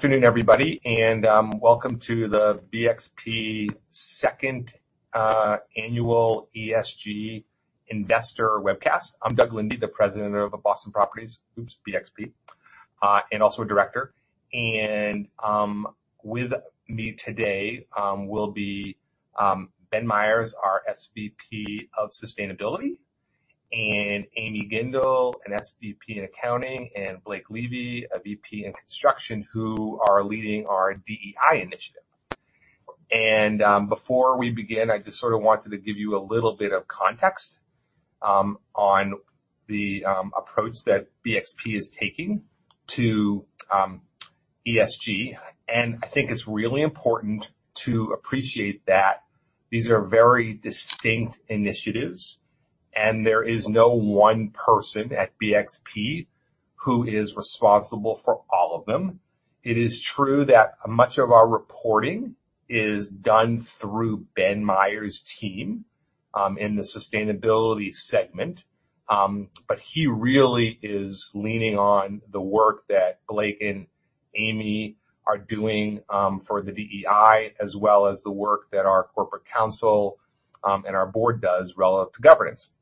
Good afternoon, everybody, welcome to the BXP second annual ESG investor webcast. I'm Doug Linde, the president of Boston Properties, oops, BXP, and also a director. With me today will be Ben Myers, our SVP of Sustainability, Amy Gindes, an SVP in accounting, and Blake Levitt, a VP in construction, who are leading our DEI initiative. Before we begin, I just sort of wanted to give you a little bit of context on the approach that BXP is taking to ESG. I think it's really important to appreciate that these are very distinct initiatives, and there is no one person at BXP who is responsible for all of them. It is true that much of our reporting is done through Ben Myers' team in the sustainability segment. He really is leaning on the work that Blake and Amy Gindes are doing for the DEI, as well as the work that our corporate council and our board does relative to governance.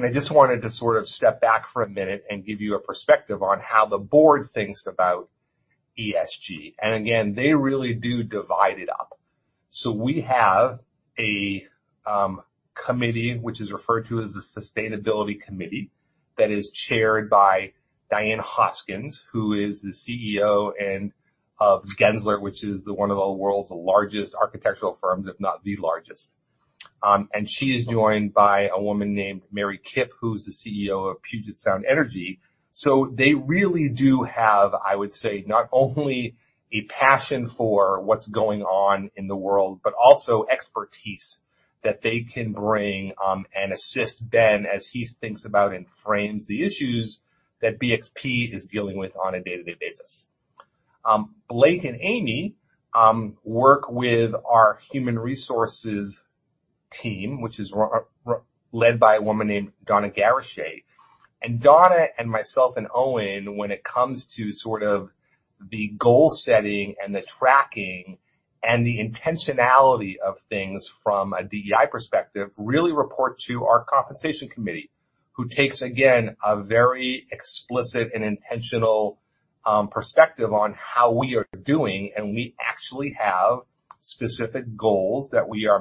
I just wanted to sort of step back for a minute and give you a perspective on how the board thinks about ESG. Again, they really do divide it up. We have a committee, which is referred to as the Sustainability Committee, that is chaired by Diane Hoskins, who is the CEO of Gensler, which is the one of the world's largest architectural firms, if not the largest. She is joined by a woman named Mary Kipp, who's the CEO of Puget Sound Energy. They really do have, I would say, not only a passion for what's going on in the world, but also expertise that they can bring, and assist Ben as he thinks about and frames the issues that BXP is dealing with on a day-to-day basis. Blake and Amy, work with our human resources team, which is led by a woman named Donna Garesche. Donna, and myself, and Owen, when it comes to sort of the goal setting, and the tracking, and the intentionality of things from a DEI perspective, really report to our compensation committee, who takes, again, a very explicit and intentional, perspective on how we are doing. We actually have specific goals that we are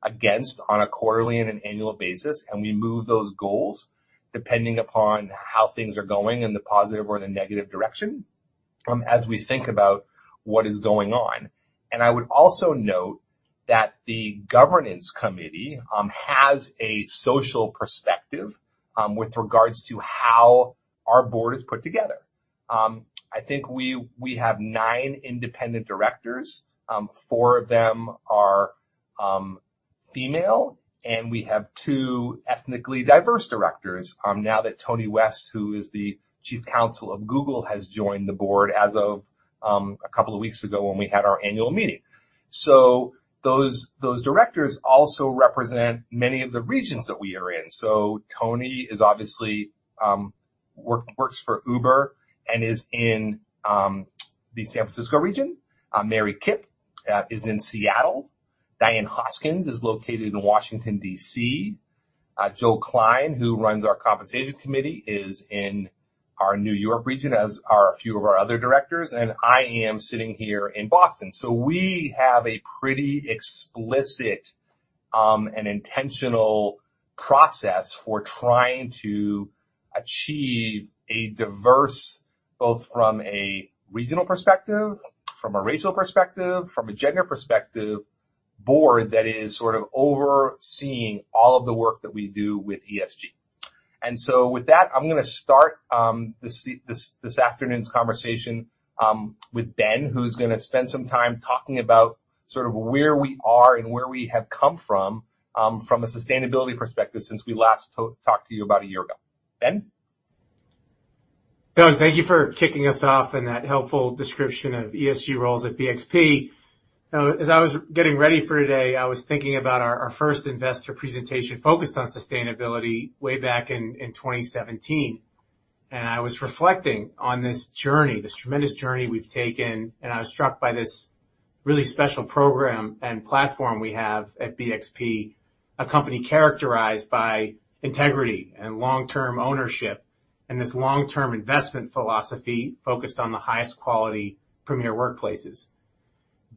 measuring against on a quarterly and an annual basis, and we move those goals depending upon how things are going in the positive or the negative direction, as we think about what is going on. I would also note that the governance committee has a social perspective with regards to how our board is put together. I think we have 9 independent directors. four of them are female, and we have two ethnically diverse directors, now that Tony West, who is the Chief Counsel of Uber, has joined the board as of a couple of weeks ago when we had our annual meeting. Those directors also represent many of the regions that we are in. Tony is obviously works for Uber and is in the San Francisco region. Mary Kipp is in Seattle. Diane Hoskins is located in Washington, D.C. Joel Klein, who runs our compensation committee, is in our New York region, as are a few of our other directors. I am sitting here in Boston. We have a pretty explicit and intentional process for trying to achieve a diverse, both from a regional perspective, from a racial perspective, from a gender perspective, board that is sort of overseeing all of the work that we do with ESG. With that, I'm gonna start this afternoon's conversation with Ben, who's gonna spend some time talking about sort of where we are and where we have come from a sustainability perspective since we last talked to you about a year ago. Ben? Doug, thank you for kicking us off and that helpful description of ESG roles at BXP. As I was getting ready for today, I was thinking about our first investor presentation focused on sustainability way back in 2017. I was reflecting on this journey, this tremendous journey we've taken, and I was struck by this really special program and platform we have at BXP, a company characterized by integrity and long-term ownership, and this long-term investment philosophy focused on the highest quality premier workplaces.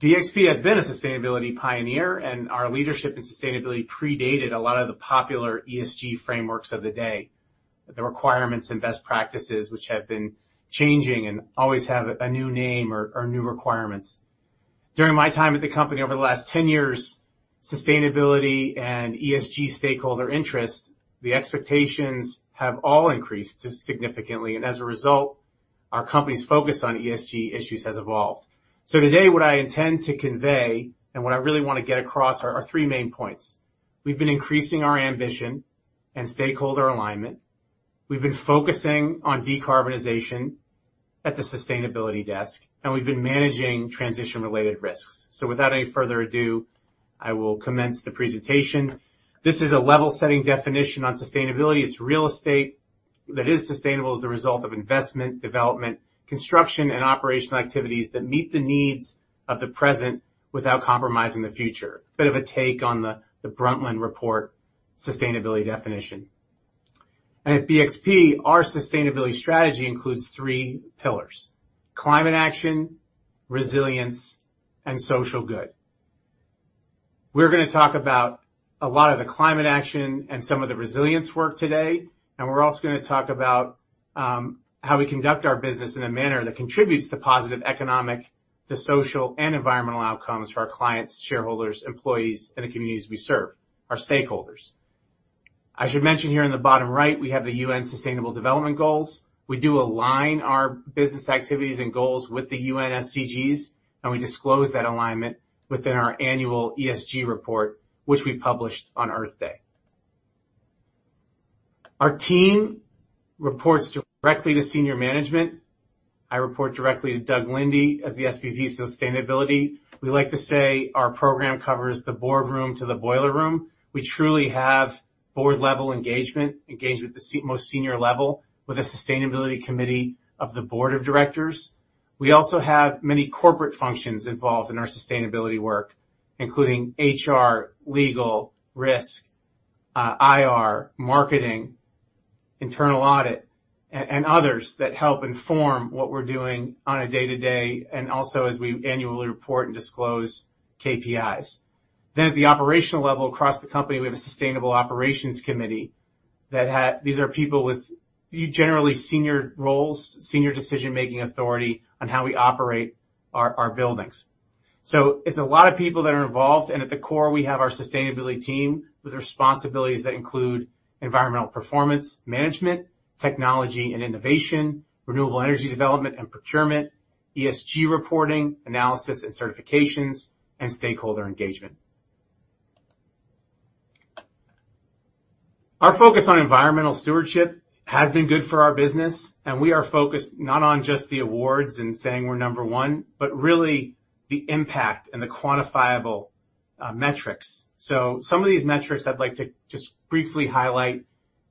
BXP has been a sustainability pioneer, and our leadership in sustainability predated a lot of the popular ESG frameworks of the day, the requirements and best practices, which have been changing and always have a new name or new requirements. During my time at the company over the last 10 years, sustainability and ESG stakeholder interest, the expectations have all increased significantly. As a result, our company's focus on ESG issues has evolved. Today, what I intend to convey and what I really want to get across are three main points. We've been increasing our ambition and stakeholder alignment. We've been focusing on decarbonization at the sustainability desk. We've been managing transition-related risks. Without any further ado, I will commence the presentation. This is a level-setting definition on sustainability. It's real estate that is sustainable as a result of investment, development, construction, and operational activities that meet the needs of the present without compromising the future. Bit of a take on the Brundtland Report sustainability definition. At BXP, our sustainability strategy includes three pillars: climate action, resilience, and social good. We're going to talk about a lot of the climate action and some of the resilience work today, and we're also going to talk about how we conduct our business in a manner that contributes to positive economic, the social, and environmental outcomes for our clients, shareholders, employees, and the communities we serve, our stakeholders. I should mention here in the bottom right, we have the UN Sustainable Development Goals. We do align our business activities and goals with the UN SDGs, and we disclose that alignment within our annual ESG report, which we published on Earth Day. Our team reports directly to senior management. I report directly to Doug Linde as the SVP of Sustainability. We like to say our program covers the boardroom to the boiler room. We truly have board-level engagement with the most senior level, with a Sustainability Committee of the board of directors. We have many corporate functions involved in our sustainability work, including HR, legal, risk, IR, marketing, internal audit, and others that help inform what we're doing on a day-to-day, and also as we annually report and disclose KPIs. At the operational level across the company, we have a sustainable operations committee that these are people with generally senior roles, senior decision-making authority on how we operate our buildings. It's a lot of people that are involved, and at the core, we have our sustainability team, with responsibilities that include environmental performance, management, technology and innovation, renewable energy development and procurement, ESG reporting, analysis and certifications, and stakeholder engagement. Our focus on environmental stewardship has been good for our business. We are focused not on just the awards and saying we're number one, but really the impact and the quantifiable metrics. Some of these metrics I'd like to just briefly highlight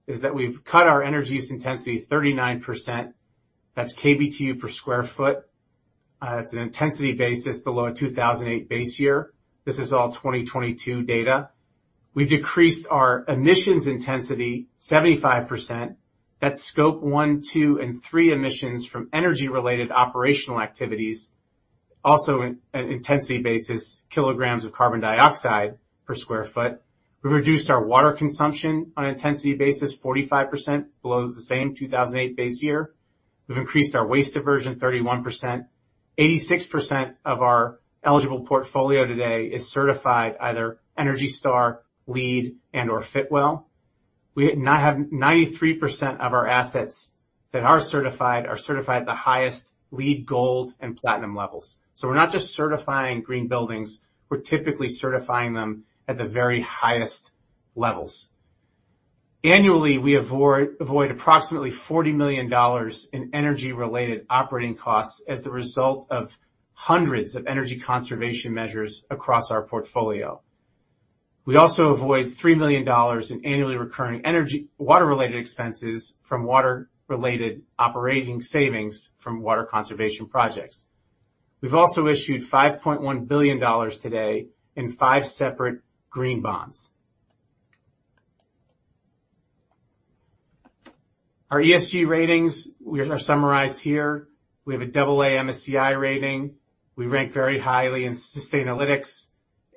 is that we've cut our energy use intensity 39%. That's KBTU per sq ft. It's an intensity basis below a 2008 base year. This is all 2022 data. We've decreased our emissions intensity 75%. That's Scope one, two, and three emissions from energy-related operational activities, also in an intensity basis, kilograms of carbon dioxide per sq ft. We've reduced our water consumption on intensity basis 45% below the same 2008 base year. We've increased our waste diversion 31%. 86% of our eligible portfolio today is certified either ENERGY STAR, LEED, and/or Fitwel. We now have 93% of our assets that are certified at the highest LEED Gold and Platinum levels. We're not just certifying green buildings, we're typically certifying them at the very highest levels. Annually, we avoid approximately $40 million in energy-related operating costs as the result of hundreds of energy conservation measures across our portfolio. We also avoid $3 million in annually recurring water-related expenses from water-related operating savings from water conservation projects. We've also issued $5.1 billion today in five separate green bonds. Our ESG ratings are summarized here. We have a AA MSCI rating. We rank very highly in Sustainalytics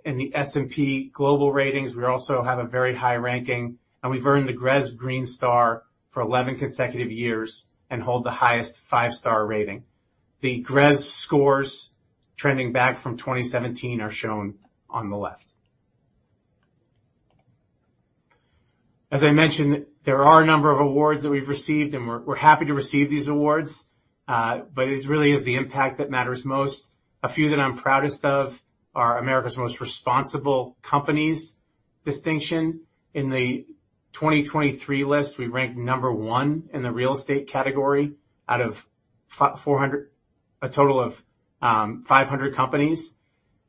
and the S&P Global ratings. We also have a very high ranking, and we've earned the GRESB Green Star for 11 consecutive years and hold the highest five star rating. The GRESB scores, trending back from 2017, are shown on the left. As I mentioned, there are a number of awards that we've received, and we're happy to receive these awards, but it really is the impact that matters most. A few that I'm proudest of are America's Most Responsible Company's distinction. In the 2023 list, we ranked number one in the real estate category out of 400... a total of 500 companies.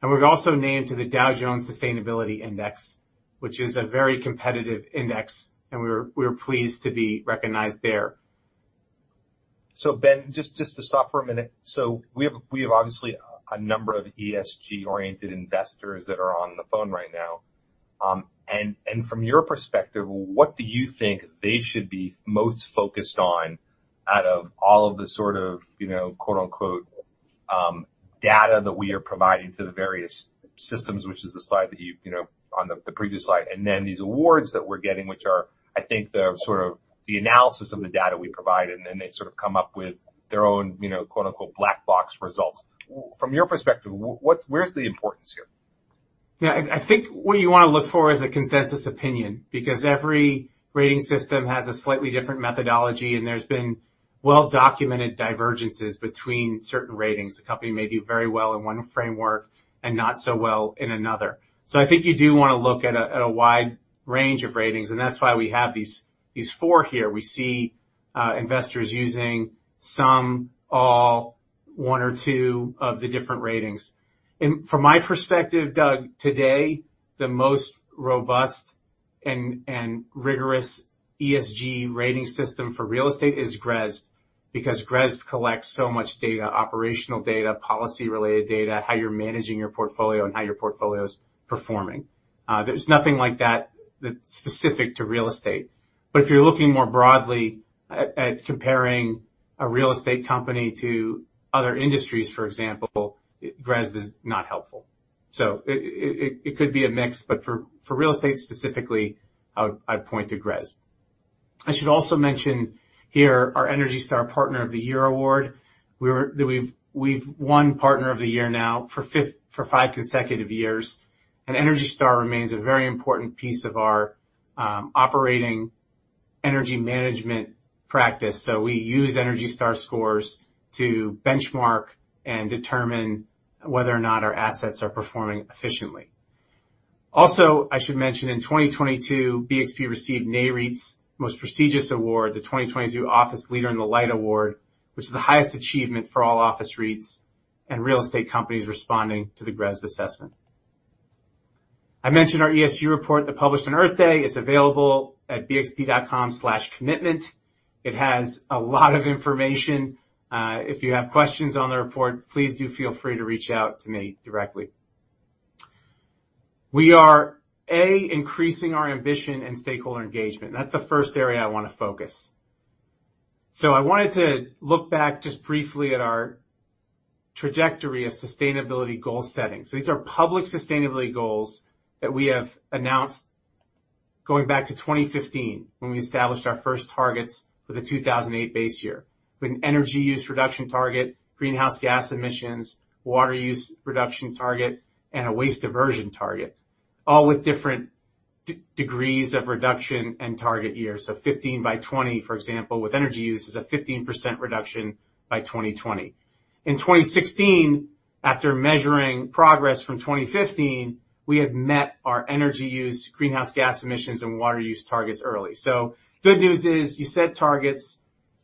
We're also named to the Dow Jones Sustainability Indices, which is a very competitive index, and we're pleased to be recognized there. Ben, just to stop for a minute. We have obviously a number of ESG-oriented investors that are on the phone right now. From your perspective, what do you think they should be most focused on out of all of the sort of, you know, quote-unquote, data that we are providing to the various systems, which is the slide that you know, on the previous slide, and then these awards that we're getting, which are, I think, the sort of the analysis of the data we provide, and then they sort of come up with their own, you know, quote-unquote, "black box" results. From your perspective, what, where's the importance here? I think what you want to look for is a consensus opinion, because every rating system has a slightly different methodology, and there's been well-documented divergences between certain ratings. A company may do very well in one framework and not so well in another. I think you do want to look at a, at a wide range of ratings, and that's why we have these four here. We see investors using some, one or two of the different ratings. From my perspective, Doug, today, the most robust and rigorous ESG rating system for real estate is GRESB, because GRESB collects so much data, operational data, policy-related data, how you're managing your portfolio, and how your portfolio is performing. There's nothing like that that's specific to real estate. If you're looking more broadly at comparing a real estate company to other industries, for example, GRESB is not helpful. It could be a mix, but for real estate specifically, I'd point to GRESB. I should also mention here our ENERGY STAR Partner of the Year award. We've won Partner of the Year now for five consecutive years, and ENERGY STAR remains a very important piece of our operating energy management practice. We use ENERGY STAR scores to benchmark and determine whether or not our assets are performing efficiently. Also, I should mention, in 2022, BXP received Nareit's most prestigious award, the 2022 Office Leader in the Light Award, which is the highest achievement for all office REITs and real estate companies responding to the GRESB assessment. I mentioned our ESG report that published on Earth Day. It's available at bxp.com/commitment. It has a lot of information. If you have questions on the report, please do feel free to reach out to me directly. We are, A, increasing our ambition and stakeholder engagement. That's the first area I want to focus. I wanted to look back just briefly at our trajectory of sustainability goal setting. These are public sustainability goals that we have announced going back to 2015, when we established our first targets with a 2008 base year, with an energy use reduction target, greenhouse gas emissions, water use reduction target, and a waste diversion target, all with different degrees of reduction and target years. 15 by 20, for example, with energy use, is a 15% reduction by 2020. In 2016, after measuring progress from 2015, we had met our energy use, greenhouse gas emissions, and water use targets early. Good news is, you set targets.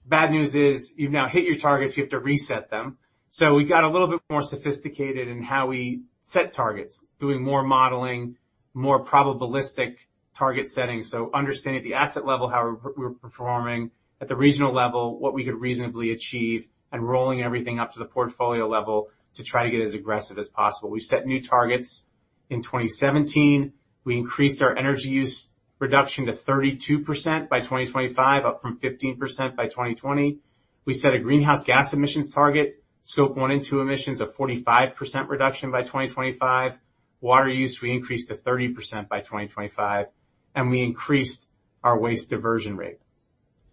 Bad news is, you've now hit your targets, you have to reset them. We got a little bit more sophisticated in how we set targets, doing more modeling, more probabilistic target setting. Understanding at the asset level, how we're performing at the regional level, what we could reasonably achieve, and rolling everything up to the portfolio level to try to get as aggressive as possible. We set new targets in 2017. We increased our energy use reduction to 32% by 2025, up from 15% by 2020. We set a greenhouse gas emissions target, Scope one, two, and three emissions, a 45% reduction by 2025. Water use, we increased to 30% by 2025, and we increased our waste diversion rate.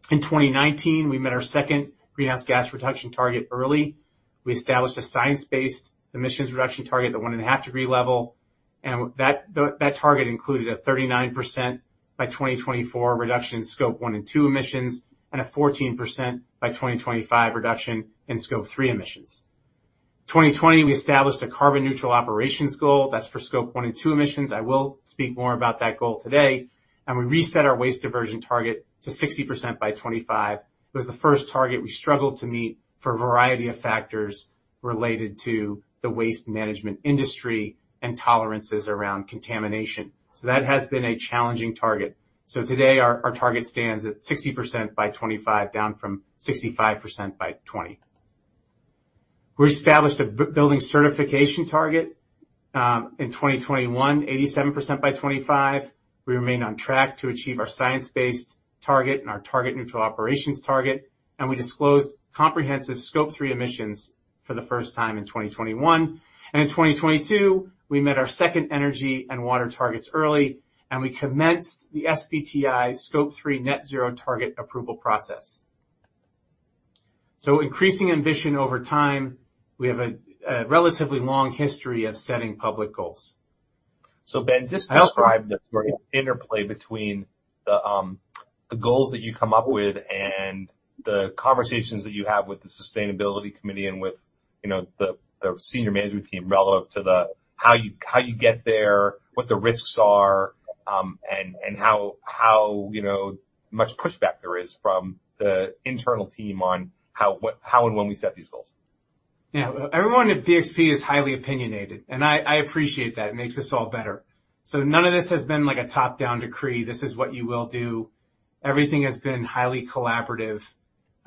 In 2019, we met our second greenhouse gas reduction target early. We established a science-based emissions reduction target at 1.5 degree level, that target included a 39% by 2024 reduction in Scope one and two and emissions, and a 14% by 2025 reduction in Scope three emissions. 2020, we established a carbon neutral operations goal. That's for Scope one and two emissions. I will speak more about that goal today. We reset our waste diversion target to 60% by 2025. It was the first target we struggled to meet for a variety of factors related to the waste management industry and tolerances around contamination. That has been a challenging target. Today, our target stands at 60% by 2025, down from 65% by 2020. We established a building certification target in 2021, 87% by 2025. We remain on track to achieve our science-based target and our target neutral operations target, and we disclosed comprehensive Scope three emissions for the first time in 2021. In 2022, we met our second energy and water targets early, and we commenced the SBTi Scope three net zero target approval process. Increasing ambition over time, we have a relatively long history of setting public goals. Ben, just describe the interplay between the goals that you come up with and the conversations that you have with the Sustainability Committee and with, you know, the senior management team, relevant to how you get there, what the risks are, and how, you know, much pushback there is from the internal team on how and when we set these goals? Everyone at BXP is highly opinionated, I appreciate that. It makes us all better. None of this has been like a top-down decree. "This is what you will do." Everything has been highly collaborative,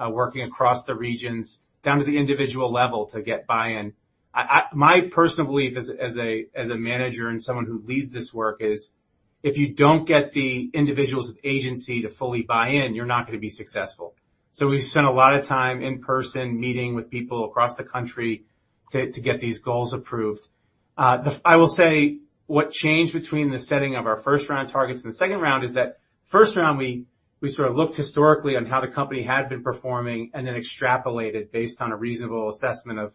working across the regions, down to the individual level, to get buy-in. My personal belief as a manager and someone who leads this work is, if you don't get the individuals with agency to fully buy in, you're not going to be successful. We've spent a lot of time in person, meeting with people across the country to get these goals approved. I will say, what changed between the setting of our first round of targets and the second round, is that first round, we sort of looked historically on how the company had been performing and then extrapolated based on a reasonable assessment of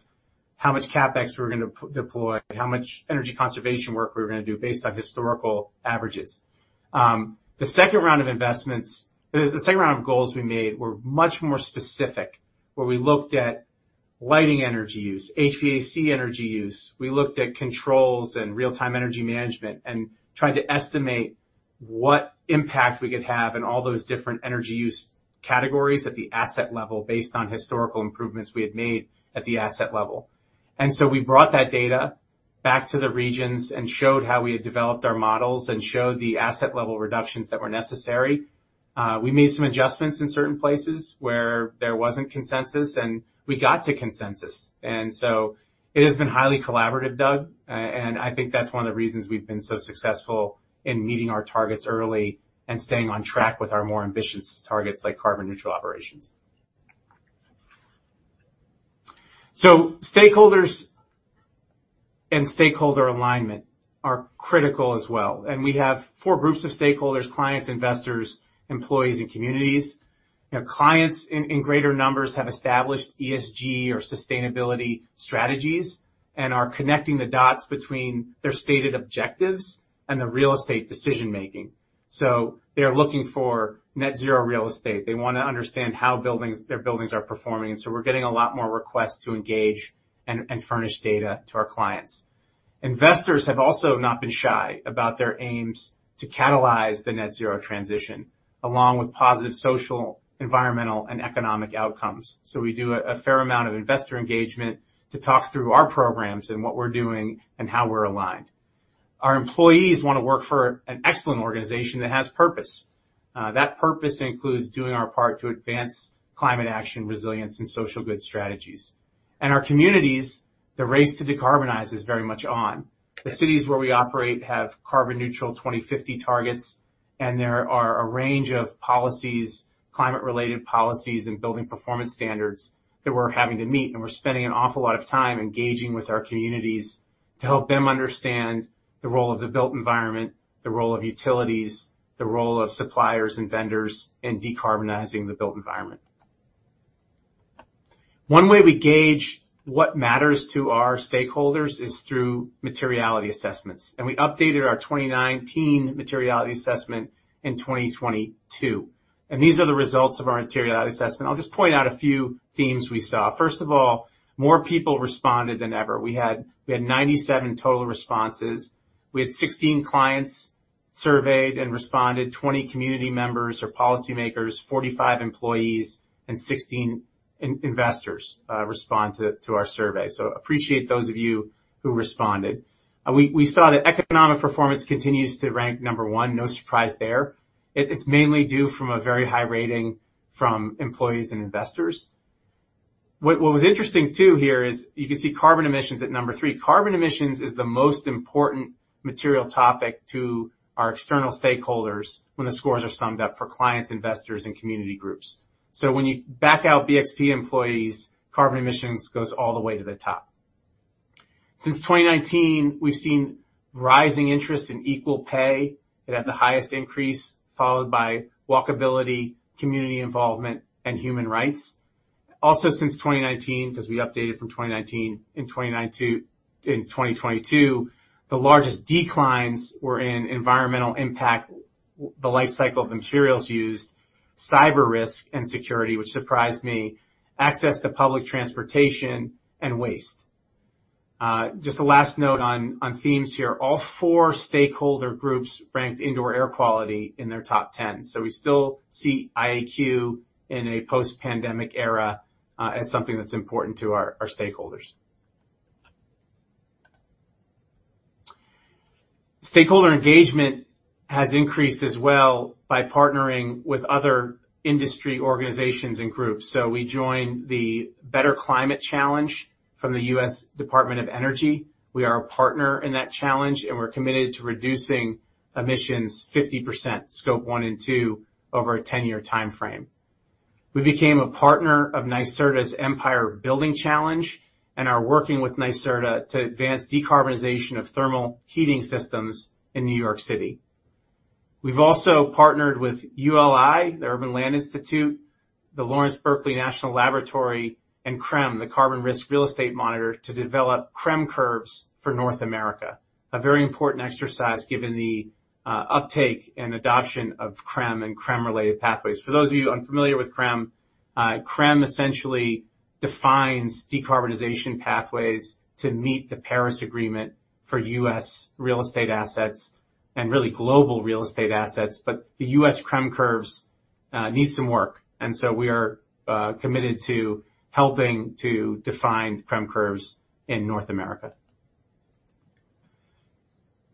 how much CapEx we were going to deploy, how much energy conservation work we were going to do based on historical averages. The second round of investments, the second round of goals we made were much more specific, where we looked at lighting energy use, HVAC energy use. We looked at controls and real-time energy management and tried to estimate what impact we could have in all those different energy use categories at the asset level, based on historical improvements we had made at the asset level. We brought that data back to the regions and showed how we had developed our models and showed the asset level reductions that were necessary. We made some adjustments in certain places where there wasn't consensus, and we got to consensus. It has been highly collaborative, Doug, and I think that's one of the reasons we've been so successful in meeting our targets early and staying on track with our more ambitious targets, like carbon neutral operations. Stakeholders and stakeholder alignment are critical as well, and we have four groups of stakeholders: clients, investors, employees, and communities. Clients in greater numbers have established ESG or sustainability strategies and are connecting the dots between their stated objectives and the real estate decision making. They are looking for net zero real estate. They want to understand how their buildings are performing, and so we're getting a lot more requests to engage and furnish data to our clients. Investors have also not been shy about their aims to catalyze the net zero transition, along with positive social, environmental, and economic outcomes. We do a fair amount of investor engagement to talk through our programs and what we're doing and how we're aligned. Our employees want to work for an excellent organization that has purpose. That purpose includes doing our part to advance climate action, resilience, and social good strategies. Our communities, the race to decarbonize, is very much on. The cities where we operate have carbon neutral 2050 targets, and there are a range of policies, climate-related policies, and building performance standards that we're having to meet. We're spending an awful lot of time engaging with our communities to help them understand the role of the built environment, the role of utilities, the role of suppliers and vendors in decarbonizing the built environment. One way we gauge what matters to our stakeholders is through materiality assessments. We updated our 2019 materiality assessment in 2022. These are the results of our materiality assessment. I'll just point out a few themes we saw. First of all, more people responded than ever. We had 97 total responses. We had 16 clients surveyed and responded, 20 community members or policymakers, 45 employees, and 16 investors respond to our survey. Appreciate those of you who responded. We saw that economic performance continues to rank number one. No surprise there. It is mainly due from a very high rating from employees and investors. What was interesting, too, here is you can see carbon emissions at number three. Carbon emissions is the most important material topic to our external stakeholders when the scores are summed up for clients, investors, and community groups. When you back out BXP employees, carbon emissions goes all the way to the top. Since 2019, we've seen rising interest in equal pay. It had the highest increase, followed by walkability, community involvement, and human rights. Since 2019, because we updated from 2019 in 2022, the largest declines were in environmental impact, the life cycle of the materials used, cyber risk and security, which surprised me, access to public transportation, and waste. Just a last note on themes here. All four stakeholder groups ranked indoor air quality in their top 10, we still see IAQ in a post-pandemic era, as something that's important to our stakeholders. Stakeholder engagement has increased as well by partnering with other industry organizations and groups. We joined the Better Climate Challenge from the U.S. Department of Energy. We are a partner in that challenge, and we're committed to reducing emissions 50%, Scope one and two, over a 10-year timeframe. We became a partner of NYSERDA's Empire Building Challenge and are working with NYSERDA to advance decarbonization of thermal heating systems in New York City. We've also partnered with ULI, the Urban Land Institute, the Lawrence Berkeley National Laboratory, and CRREM, the Carbon Risk Real Estate Monitor, to develop CRREM curves for North America, a very important exercise, given the uptake and adoption of CRREM and CRREM-related pathways. For those of you unfamiliar with CRREM essentially defines decarbonization pathways to meet the Paris Agreement for U.S. real estate assets and, really, global real estate assets. The U.S. CRREM curves need some work, we are committed to helping to define CRREM curves in North America.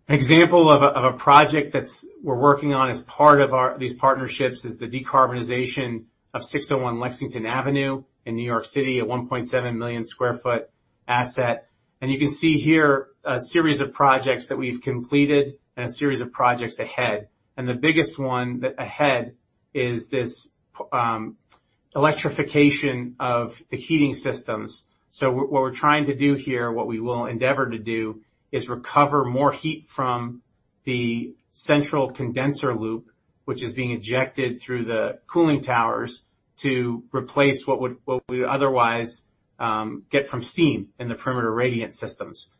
An example of a project that's we're working on as part of these partnerships is the decarbonization of 601 Lexington Avenue in New York City, a 1.7 million sq ft asset. You can see here a series of projects that we've completed and a series of projects ahead. The biggest one that ahead is this electrification of the heating systems. What we're trying to do here, what we will endeavor to do, is recover more heat from the central condenser loop, which is being ejected through the cooling towers, to replace what we would otherwise get from steam in the perimeter radiant systems.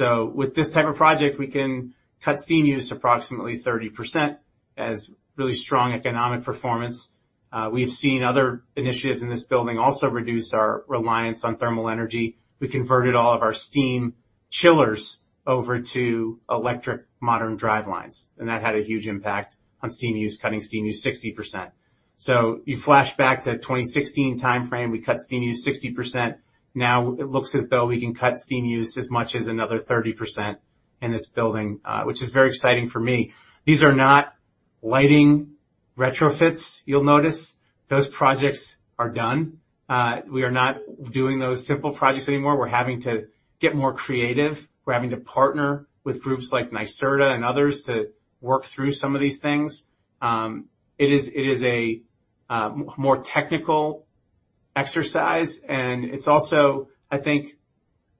With this type of project, we can cut steam use approximately 30% as really strong economic performance. We've seen other initiatives in this building also reduce our reliance on thermal energy. We converted all of our chillers over to electric modern drivelines, and that had a huge impact on steam use, cutting steam use 60%. You flash back to 2016 timeframe, we cut steam use 60%. Now it looks as though we can cut steam use as much as another 30% in this building, which is very exciting for me. These are not lighting retrofits, you'll notice. Those projects are done. We are not doing those simple projects anymore. We're having to get more creative. We're having to partner with groups like NYSERDA and others to work through some of these things. It is a more technical exercise, and it's also, I think,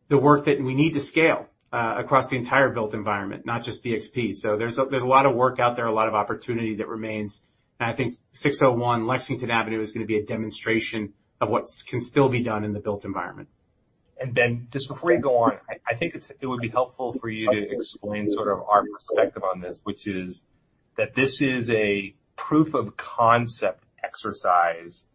the work that we need to scale across the entire built environment, not just BXP. There's a, there's a lot of work out there, a lot of opportunity that remains. I think 601 Lexington Avenue is gonna be a demonstration of what can still be done in the built environment. Ben, just before you go on, I think it would be helpful for you to explain sort of our perspective on this, which is that this is a proof of concept exercise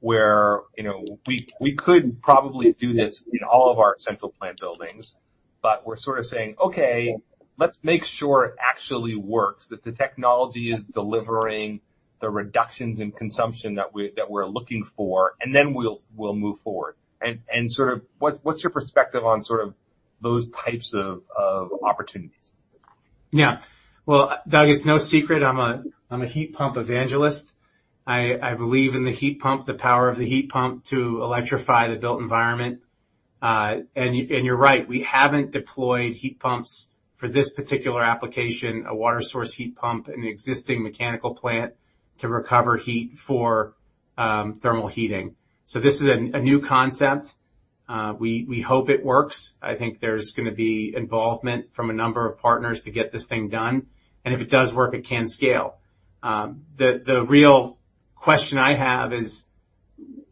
where, you know, we could probably do this in all of our central plant buildings, but we're sort of saying, "Okay, let's make sure it actually works, that the technology is delivering the reductions in consumption that we're looking for, and then we'll move forward." What's your perspective on sort of those types of opportunities? Yeah. Well, Doug, it's no secret I'm a heat pump evangelist. I believe in the heat pump, the power of the heat pump to electrify the built environment. You're right, we haven't deployed heat pumps for this particular application, a water source heat pump in an existing mechanical plant to recover heat for thermal heating. This is a new concept. We hope it works. I think there's gonna be involvement from a number of partners to get this thing done, and if it does work, it can scale. The real question I have is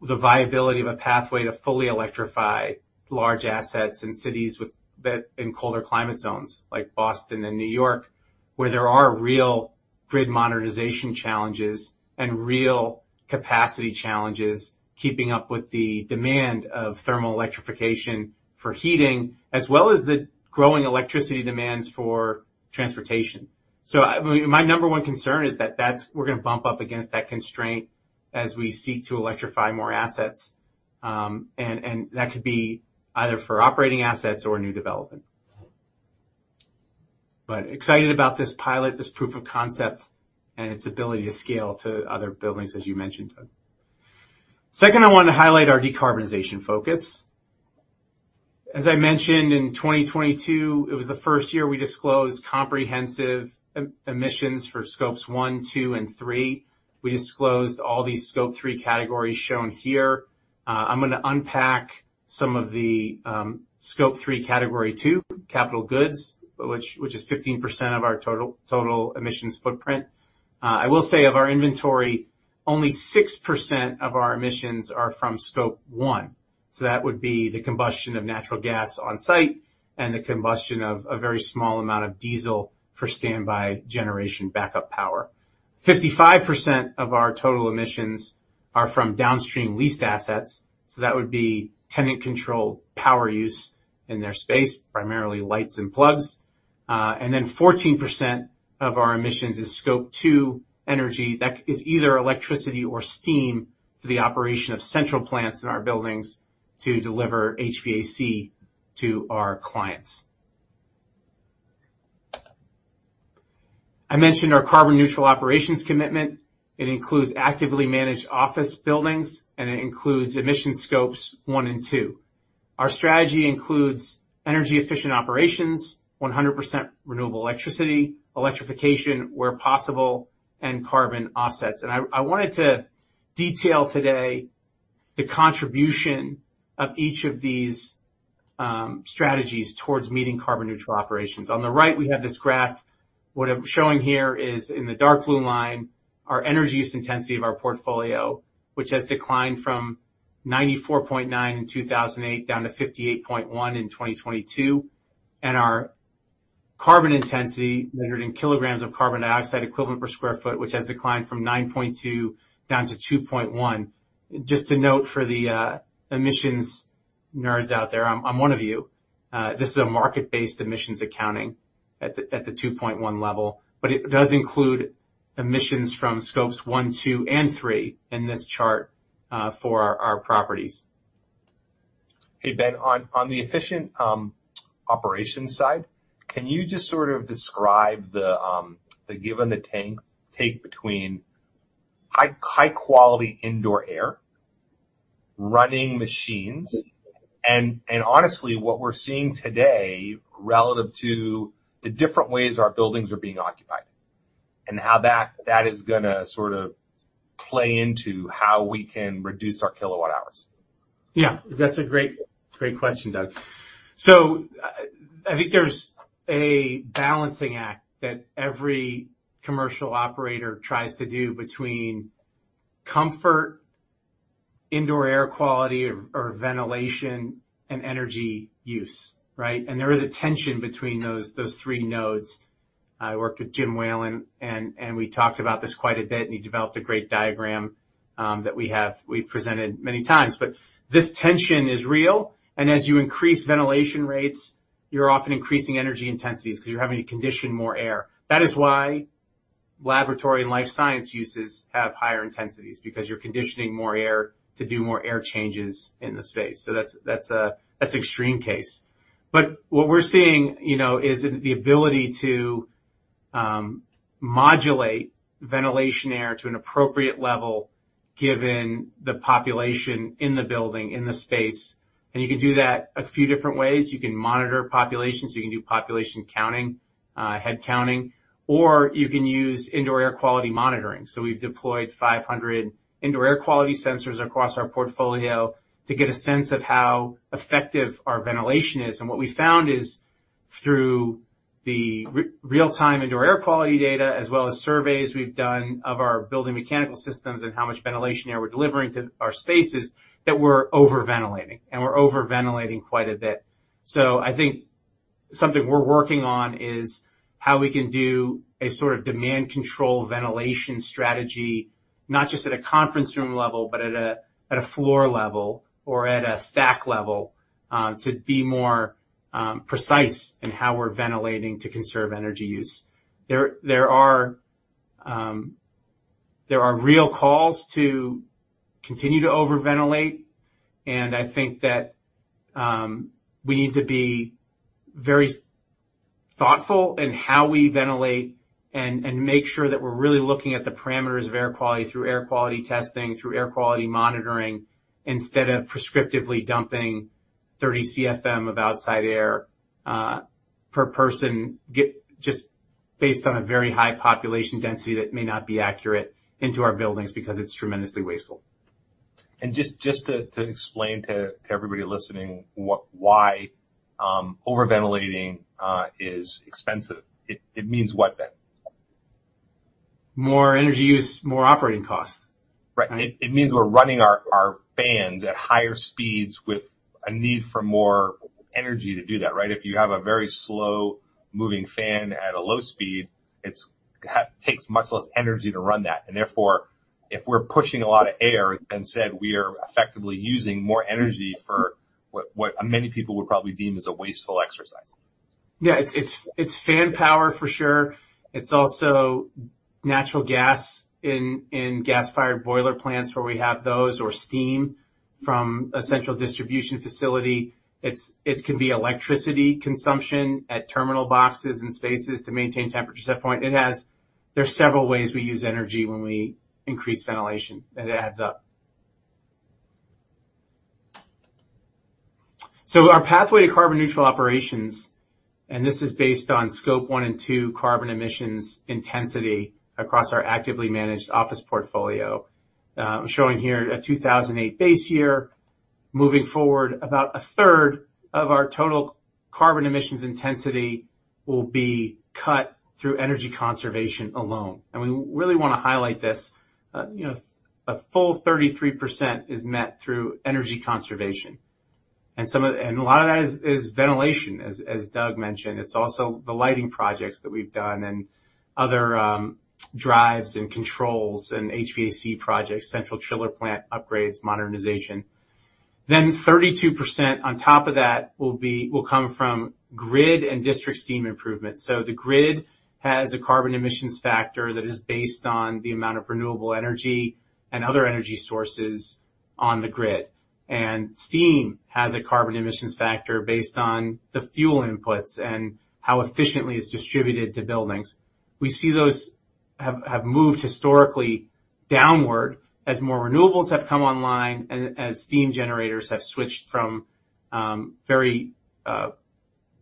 the viability of a pathway to fully electrify large assets in cities that in colder climate zones, like Boston and New York, where there are real grid monetization challenges and real capacity challenges, keeping up with the demand of thermal electrification for heating, as well as the growing electricity demands for transportation. My number one concern is that we're gonna bump up against that constraint as we seek to electrify more assets, and that could be either for operating assets or new development. Excited about this pilot, this proof of concept, and its ability to scale to other buildings, as you mentioned. Second, I want to highlight our decarbonization focus. As I mentioned, in 2022, it was the first year we disclosed comprehensive emissions for Scopes one, two, and three. We disclosed all these Scope three categories shown here. I'm gonna unpack some of the Scope three, category two, capital goods, which is 15% of our total emissions footprint. I will say, of our inventory, only 6% of our emissions are from Scope one. That would be the combustion of natural gas on site and the combustion of a very small amount of diesel for standby generation backup power. 55% of our total emissions are from downstream leased assets, so that would be tenant-controlled power use in their space, primarily lights and plugs. 14% of our emissions is Scope two energy. That is either electricity or steam for the operation of central plants in our buildings to deliver HVAC to our clients. I mentioned our carbon-neutral operations commitment. It includes actively managed office buildings. It includes emission Scope one and two. Our strategy includes energy-efficient operations, 100% renewable electricity, electrification where possible, and carbon offsets. I wanted to detail today the contribution of each of these strategies towards meeting carbon-neutral operations. On the right, we have this graph. What I'm showing here is, in the dark blue line, our energy use intensity of our portfolio, which has declined from 94.9 in 2008 down to 58.1 in 2022. Our carbon intensity, measured in kilograms of carbon dioxide equivalent per sq ft, which has declined from 9.2 down to 2.1. Just to note, for the emissions nerds out there, I'm one of you. This is a market-based emissions accounting at the 2.1 level, but it does include emissions from Scope one, two, and three in this chart, for our properties. Hey, Ben, on the efficient operations side, can you just sort of describe the give and the take between high quality indoor air, running machines, and honestly, what we're seeing today relative to the different ways our buildings are being occupied, and how that is gonna sort of play into how we can reduce our kilowatt hours? Yeah, that's a great question, Doug. I think there's a balancing act that every commercial operator tries to do between comfort, indoor air quality or ventilation, and energy use, right? There is a tension between those three nodes. I worked with Jim Whalen, and we talked about this quite a bit, and he developed a great diagram that we've presented many times. This tension is real, and as you increase ventilation rates, you're often increasing energy intensities because you're having to condition more air. That is why laboratory and life science uses have higher intensities, because you're conditioning more air to do more air changes in the space. That's extreme case. What we're seeing, you know, is the ability to modulate ventilation air to an appropriate level, given the population in the building, in the space. You can do that a few different ways. You can monitor populations, you can do population counting, head counting, or you can use indoor air quality monitoring. We've deployed 500 indoor air quality sensors across our portfolio to get a sense of how effective our ventilation is. What we found is through the real-time indoor air quality data, as well as surveys we've done of our building mechanical systems and how much ventilation air we're delivering to our spaces, that we're over ventilating, and we're over ventilating quite a bit. I think something we're working on is how we can do a sort of demand control ventilation strategy, not just at a conference room level, but at a floor level or at a stack level, to be more precise in how we're ventilating to conserve energy use. There are real calls to continue to over ventilate, I think that we need to be very thoughtful in how we ventilate and make sure that we're really looking at the parameters of air quality through air quality testing, through air quality monitoring, instead of prescriptively dumping 30 CFM of outside air per person, just based on a very high population density that may not be accurate into our buildings because it's tremendously wasteful. Just to explain to everybody listening, why over ventilating is expensive. It means what then? More energy use, more operating costs. Right. It means we're running our fans at higher speeds with a need for more energy to do that, right? If you have a very slow-moving fan at a low speed, it takes much less energy to run that. Therefore, if we're pushing a lot of air and said, we are effectively using more energy for what many people would probably deem as a wasteful exercise. Yeah, it's fan power for sure. It's also natural gas in gas-fired boiler plants where we have those, or steam from a central distribution facility. It can be electricity consumption at terminal boxes and spaces to maintain temperature set point. There's several ways we use energy when we increase ventilation. It adds up. Our pathway to carbon-neutral operations, and this is based on Scope 1 and 2 carbon emissions intensity across our actively managed office portfolio. Showing here a 2008 base year. Moving forward, about a third of our total carbon emissions intensity will be cut through energy conservation alone. We really want to highlight this. You know, a full 33% is met through energy conservation, a lot of that is ventilation, as Doug mentioned. It's also the lighting projects that we've done and other drives and controls and HVAC projects, central chiller plant upgrades, modernization. 32% on top of that will come from grid and district steam improvement. The grid has a carbon emissions factor that is based on the amount of renewable energy and other energy sources on the grid. Steam has a carbon emissions factor based on the fuel inputs and how efficiently it's distributed to buildings. We see those have moved historically downward as more renewables have come online and as steam generators have switched from very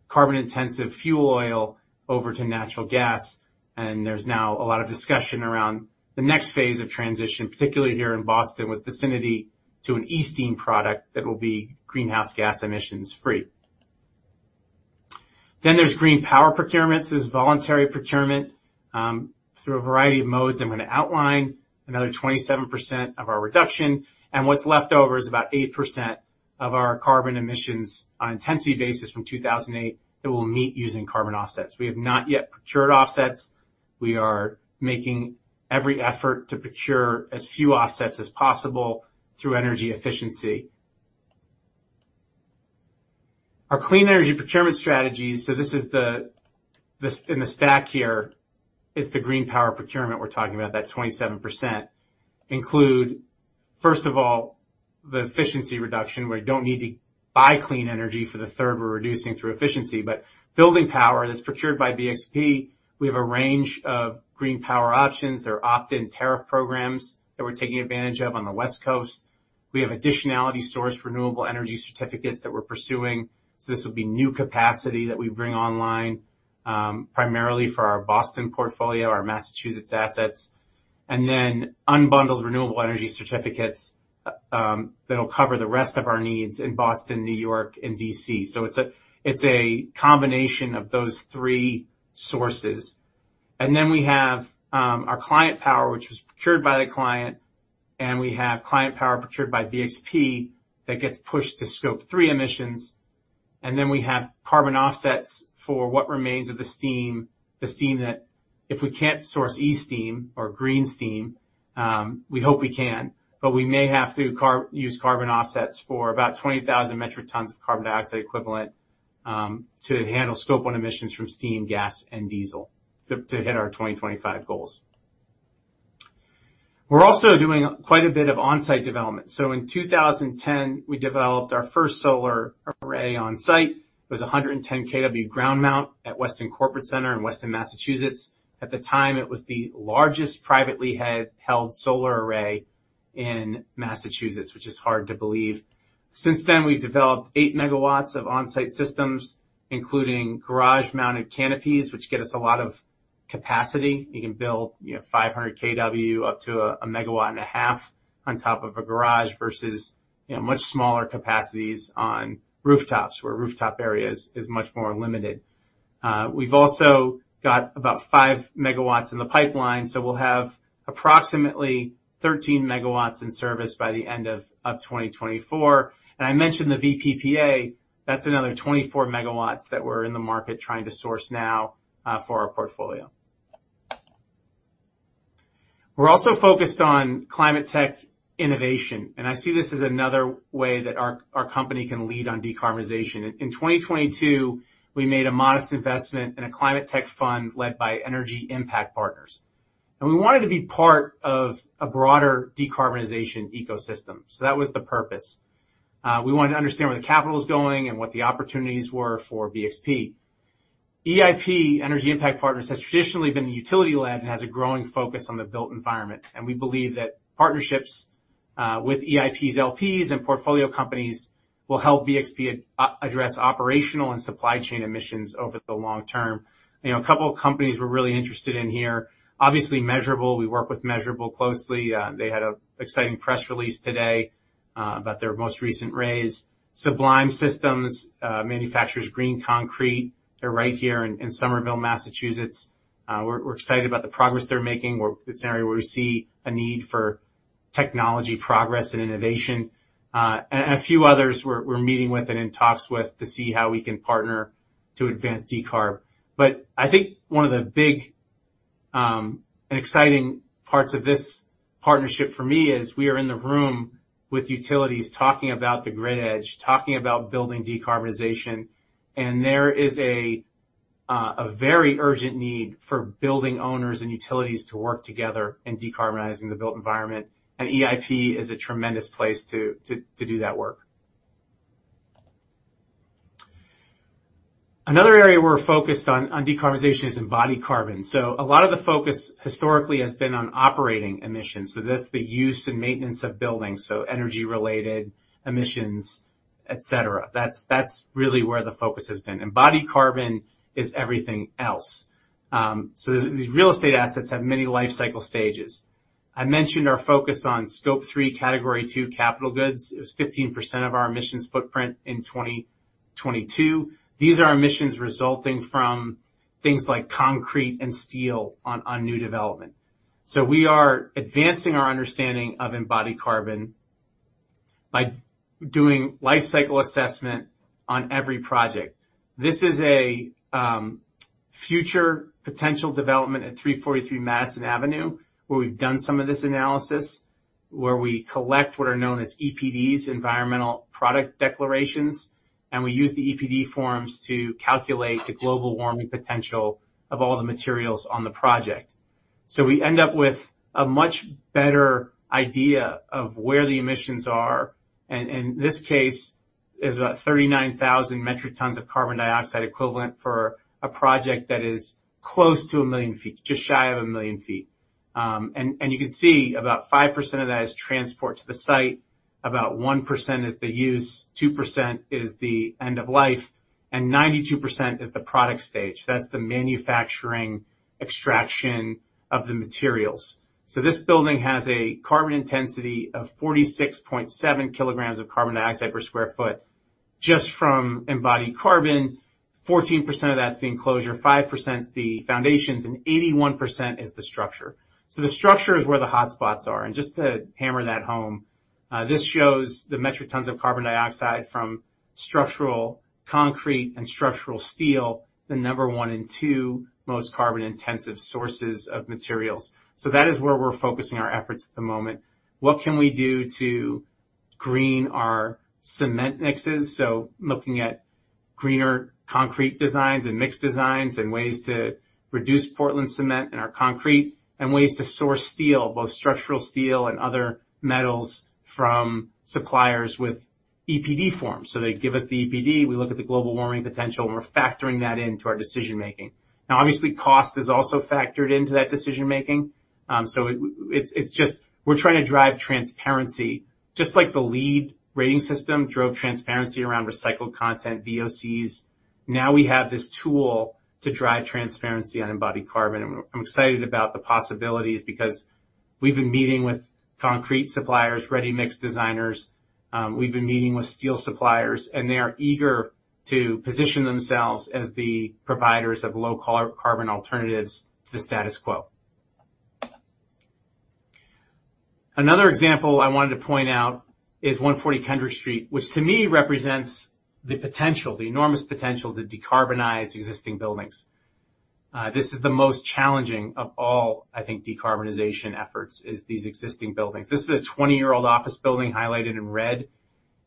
carbon-intensive fuel oil over to natural gas. There's now a lot of discussion around the next phase of transition, particularly here in Boston, with Vicinity Energy to an eSteam product that will be greenhouse gas emissions free. There's green power procurements. This is voluntary procurement through a variety of modes. I'm going to outline another 27% of our reduction, and what's left over is about 8% of our carbon emissions on an intensity basis from 2008 that we'll meet using carbon offsets. We have not yet procured offsets. We are making every effort to procure as few offsets as possible through energy efficiency. Our clean energy procurement strategies, This in the stack here, is the green power procurement we're talking about, that 27%. Include, first of all, the efficiency reduction, where you don't need to buy clean energy for the third we're reducing through efficiency. Building power that's procured by BXP, we have a range of green power options. There are opt-in tariff programs that we're taking advantage of on the West Coast. We have additionality source renewable energy certificates that we're pursuing. This would be new capacity that we bring online, primarily for our Boston portfolio, our Massachusetts assets, and then unbundled renewable energy certificates that'll cover the rest of our needs in Boston, New York, and D.C. It's a combination of those three sources. We have our client power, which is procured by the client. We have client power procured by BXP that gets pushed to Scope 3 emissions. We have carbon offsets for what remains of the steam, the steam that if we can't source eSteam or green steam, we hope we can, but we may have to use carbon offsets for about 20,000 metric tons of carbon dioxide equivalent, to handle Scope 1 emissions from steam, gas, and diesel to hit our 2025 goals. We're also doing quite a bit of on-site development. In 2010, we developed our first solar array on site. It was 110 kW ground mount at Weston Corporate Center in Weston, Massachusetts. At the time, it was the largest privately held solar array in Massachusetts, which is hard to believe. Since then, we've developed 8 megawatts of on-site systems, including garage-mounted canopies, which get us a lot of capacity. You can build, you know, 500 kW up to 1.5 megawatts on top of a garage, versus, you know, much smaller capacities on rooftops, where rooftop areas is much more limited. We've also got about 5 megawatts in the pipeline, so we'll have approximately 13 megawatts in service by the end of 2024. I mentioned the VPPA. That's another 24 megawatts that we're in the market trying to source now for our portfolio. We're also focused on climate tech innovation, and I see this as another way that our company can lead on decarbonization. In 2022, we made a modest investment in a climate tech fund led by Energy Impact Partners. We wanted to be part of a broader decarbonization ecosystem, that was the purpose. We wanted to understand where the capital was going and what the opportunities were for BXP. EIP, Energy Impact Partners, has traditionally been a utility lab and has a growing focus on the built environment, and we believe that partnerships with EIP's LPs and portfolio companies will help BXP address operational and supply chain emissions over the long term. You know, a couple of companies we're really interested in here, obviously Measurabl. We work with Measurabl closely. They had a exciting press release today about their most recent raise. Sublime Systems manufactures green concrete. They're right here in Somerville, Massachusetts. We're excited about the progress they're making. It's an area where we see a need for technology progress and innovation. A few others we're meeting with and in talks with to see how we can partner to advance decarb. I think one of the big and exciting parts of this partnership for me is we are in the room with utilities, talking about the grid edge, talking about building decarbonization, and there is a very urgent need for building owners and utilities to work together in decarbonizing the built environment, and EIP is a tremendous place to do that work. Another area we're focused on decarbonization is embodied carbon. A lot of the focus historically has been on operating emissions, so that's the use and maintenance of buildings, so energy-related emissions, et cetera. That's really where the focus has been, embodied carbon is everything else. These real estate assets have many life cycle stages. I mentioned our focus on Scope three, Category two capital goods. It was 15% of our emissions footprint in 2022. These are emissions resulting from things like concrete and steel on new development. We are advancing our understanding of embodied carbon by doing life cycle assessment on every project. This is a future potential development at 343 Madison Avenue, where we've done some of this analysis, where we collect what are known as EPDs, Environmental Product Declarations, and we use the EPD forms to calculate the global warming potential of all the materials on the project. We end up with a much better idea of where the emissions are, and this case is about 39,000 metric tons of carbon dioxide equivalent for a project that is close to 1 million feet, just shy of 1 million feet. You can see about 5% of that is transport to the site, about 1% is the use, 2% is the end of life, and 92% is the product stage. That's the manufacturing extraction of the materials. This building has a carbon intensity of 46.7 kilograms of carbon dioxide per sq ft, just from embodied carbon. 14% of that's the enclosure, 5%'s the foundations, and 81% is the structure. The structure is where the hotspots are, and just to hammer that home, this shows the metric tons of carbon dioxide from structural concrete and structural steel, the number one and two most carbon-intensive sources of materials. That is where we're focusing our efforts at the moment. What can we do to green our cement mixes? Looking at greener concrete designs and mix designs, and ways to reduce Portland cement in our concrete, and ways to source steel, both structural steel and other metals, from suppliers with EPD forms. They give us the EPD, we look at the global warming potential, and we're factoring that into our decision making. Now, obviously, cost is also factored into that decision making. It's just we're trying to drive transparency, just like the LEED rating system drove transparency around recycled content, VOCs. Now we have this tool to drive transparency on embodied carbon, and I'm excited about the possibilities because we've been meeting with concrete suppliers, ready mix designers. We've been meeting with steel suppliers, and they are eager to position themselves as the providers of low-carbon alternatives to the status quo. Another example I wanted to point out is One Forty Kendrick Street, which to me represents the potential, the enormous potential to decarbonize existing buildings. This is the most challenging of all, I think, decarbonization efforts, is these existing buildings. This is a 20-year-old office building, highlighted in red,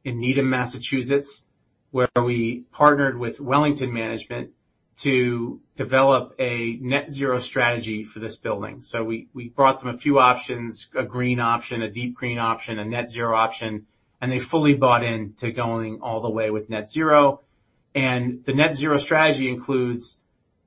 in Needham, Massachusetts, where we partnered with Wellington Management to develop a net zero strategy for this building. We brought them a few options: a green option, a deep green option, a net zero option, and they fully bought in to going all the way with net zero. The net zero strategy includes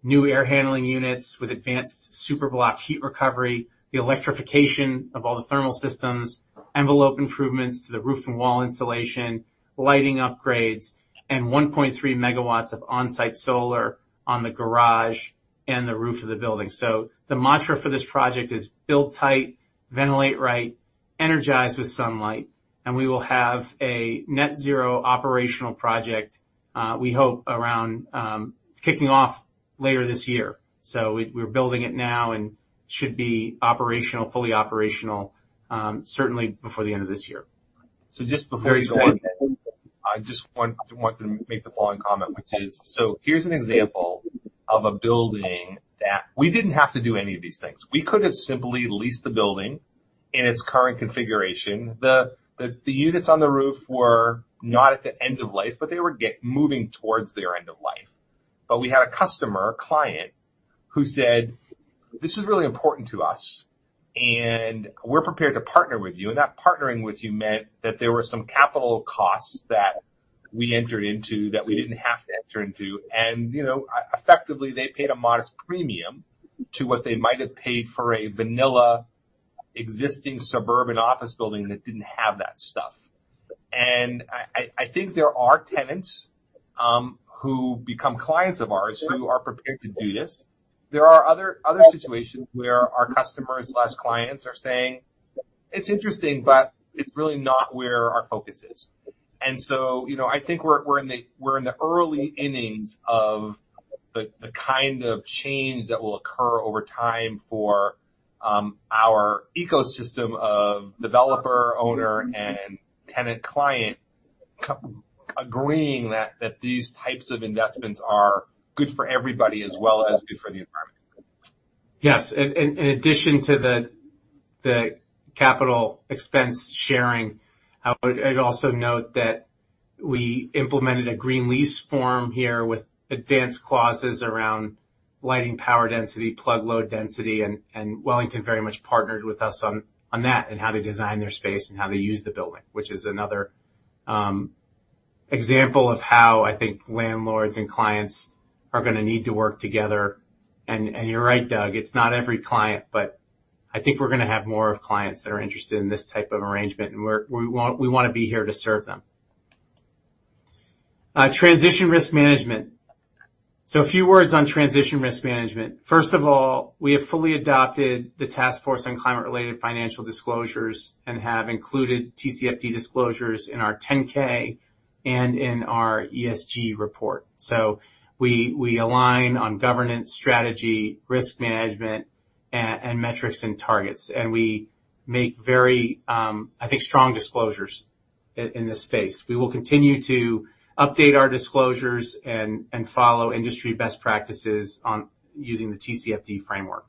new air handling units with advanced superblock heat recovery, the electrification of all the thermal systems, envelope improvements to the roof and wall insulation, lighting upgrades, and 1.3 megawatts of on-site solar on the garage and the roof of the building. The mantra for this project is build tight, ventilate right, energize with sunlight, and we will have a net zero operational project, we hope, around kicking off later this year. We're building it now and should be operational, fully operational, certainly before the end of this year. Just before we go. I just want to make the following comment, which is: Here's an example of a building that we didn't have to do any of these things. We could have simply leased the building in its current configuration. The units on the roof were not at the end of life, but they were moving towards their end of life. We had a customer, a client, who said, "This is really important to us, and we're prepared to partner with you." That partnering with you meant that there were some capital costs that we entered into that we didn't have to enter into. You know, effectively, they paid a modest premium to what they might have paid for a vanilla, existing suburban office building that didn't have that stuff. I think there are tenants, who become clients of ours, who are prepared to do this. There are other situations where our customers/clients are saying, "It's interesting, but it's really not where our focus is." you know, I think we're in the early innings of the kind of change that will occur over time for our ecosystem of developer, owner, and tenant client agreeing that these types of investments are good for everybody as well as good for the environment. Yes. In addition to the capital expense sharing, I'd also note that we implemented a green lease form here with advanced clauses around lighting, power density, plug load density, and Wellington very much partnered with us on that, and how they design their space and how they use the building. Which is another example of how I think landlords and clients are gonna need to work together. You're right, Doug, it's not every client, but I think we're gonna have more of clients that are interested in this type of arrangement, and we want to be here to serve them. Transition risk management. A few words on transition risk management. We have fully adopted the Task Force on Climate-related Financial Disclosures and have included TCFD disclosures in our 10-K and in our ESG report. We align on governance, strategy, risk management, and metrics and targets, and we make very, I think, strong disclosures in this space. We will continue to update our disclosures and follow industry best practices on using the TCFD framework.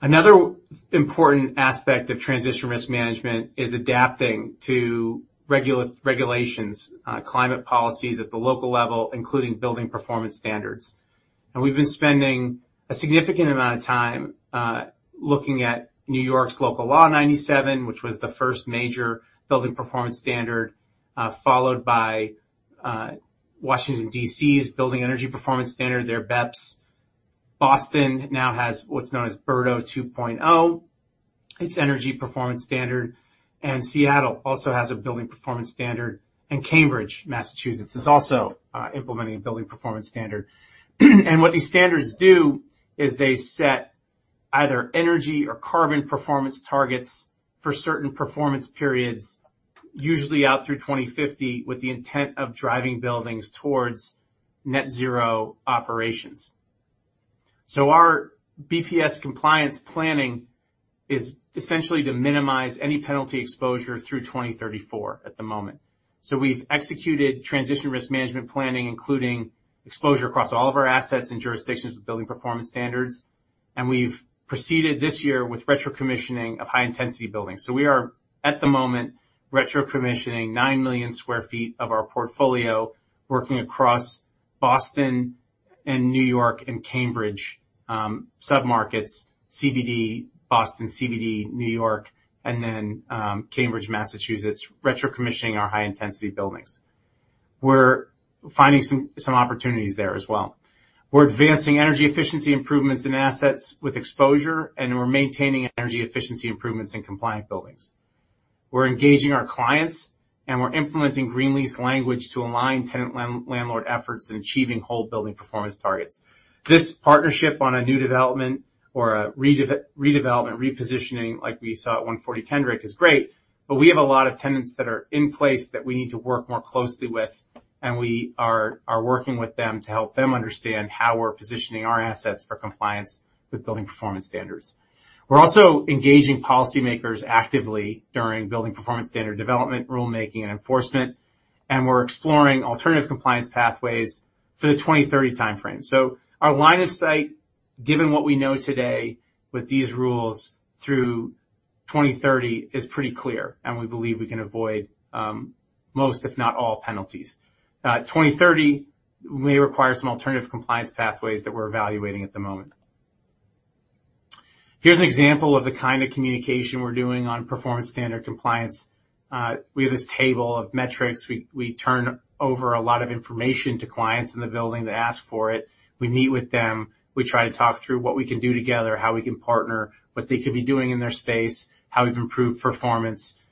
Another important aspect of transition risk management is adapting to regulations, climate policies at the local level, including building performance standards. We've been spending a significant amount of time looking at New York's Local Law 97, which was the first major building performance standard, followed by Washington, D.C.'s Building Energy Performance Standard, their BEPS. Boston now has what's known as BERDO 2.0, its energy performance standard, Seattle also has a building performance standard, Cambridge, Massachusetts, is also implementing a building performance standard. What these standards do is they set either energy or carbon performance targets for certain performance periods, usually out through 2050, with the intent of driving buildings towards net zero operations. Our BPS compliance planning is essentially to minimize any penalty exposure through 2034, at the moment. We've executed transition risk management planning, including exposure across all of our assets and jurisdictions with building performance standards, and we've proceeded this year with retro-commissioning of high-intensity buildings. We are, at the moment, retro-commissioning 9 million sq ft of our portfolio, working across Boston and New York and Cambridge, submarkets, CBD, Boston, CBD, New York, and Cambridge, Massachusetts, retro-commissioning our high-intensity buildings. We're finding some opportunities there as well. We're advancing energy efficiency improvements in assets with exposure, and we're maintaining energy efficiency improvements in compliant buildings. We're engaging our clients and we're implementing green lease language to align tenant landlord efforts in achieving whole building performance targets. This partnership on a new development or a redevelopment, repositioning, like we saw at One Forty Kendrick, is great, but we have a lot of tenants that are in place that we need to work more closely with, and we are working with them to help them understand how we're positioning our assets for compliance with building performance standards. We're also engaging policymakers actively during building performance standard development, rulemaking, and enforcement, and we're exploring alternative compliance pathways for the 2030 timeframe. Our line of sight, given what we know today with these rules through 2030, is pretty clear, and we believe we can avoid most, if not all, penalties. 2030 may require some alternative compliance pathways that we're evaluating at the moment. Here's an example of the kind of communication we're doing on performance standard compliance. We have this table of metrics. We turn over a lot of information to clients in the building that ask for it. We meet with them, we try to talk through what we can do together, how we can partner, what they could be doing in their space, how we've improved performance.